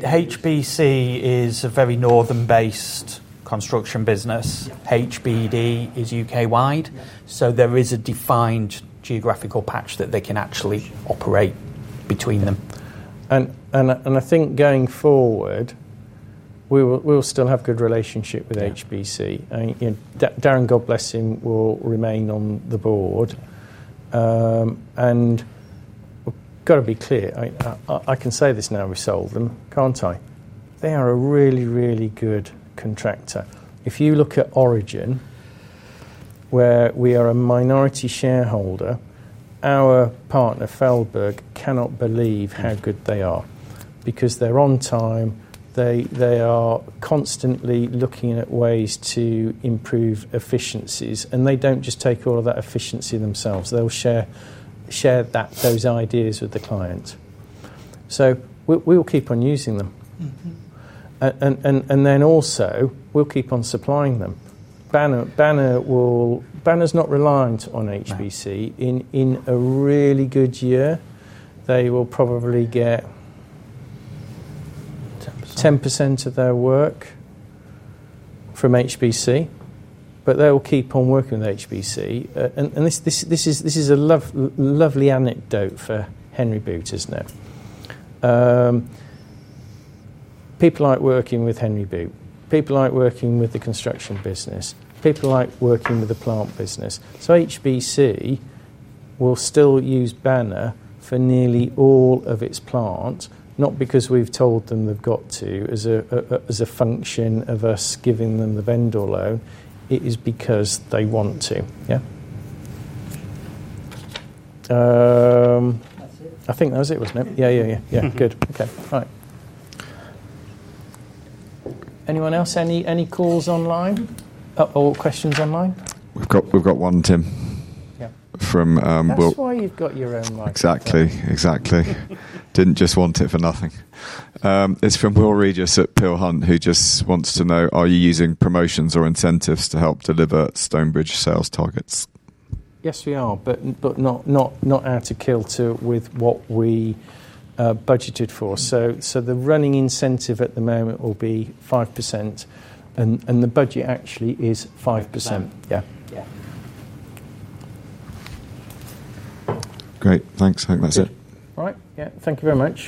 HBC is a very northern-based construction business. HBD is UK-wide. There is a defined geographical patch that they can actually operate between them. I think going forward, we will still have a good relationship with HBC. Darren Littlewood will remain on the board. We've got to be clear, I can say this now, resolve them, can't I? They are a really, really good contractor. If you look at Origin, where we are a minority shareholder, our partner, Feldberg Capital, cannot believe how good they are because they're on time. They are constantly looking at ways to improve efficiencies, and they don't just take all of that efficiency themselves. They'll share those ideas with the clients. We'll keep on using them. We'll keep on supplying them. Banner Plant is not reliant on HBC. In a really good year, they will probably get 10% of their work from HBC, but they'll keep on working with HBC. This is a lovely anecdote for Henry Boot, isn't it? People like working with Henry Boot. People like working with the construction business. People like working with the plant business. HBC will still use Banner Plant for nearly all of its plants, not because we've told them they've got to as a function of us giving them the vendor loan. It is because they want to. I think that was it, wasn't it? Yeah, yeah, yeah, yeah. Good. Okay. All right. Anyone else? Any calls online or questions online? We've got one, Tim. Yeah. From... That's why you've got your own mic. Exactly, exactly. Didn't just want it for nothing. It's from Will Regis at Peel Hunt, who just wants to know, are you using promotions or incentives to help deliver Stonebridge Homes sales targets? Yes, we are, but not out of kilter with what we budgeted for. The running incentive at the moment will be 5%, and the budget actually is 5%. Great. Thanks, Darren. All right. Thank you very much.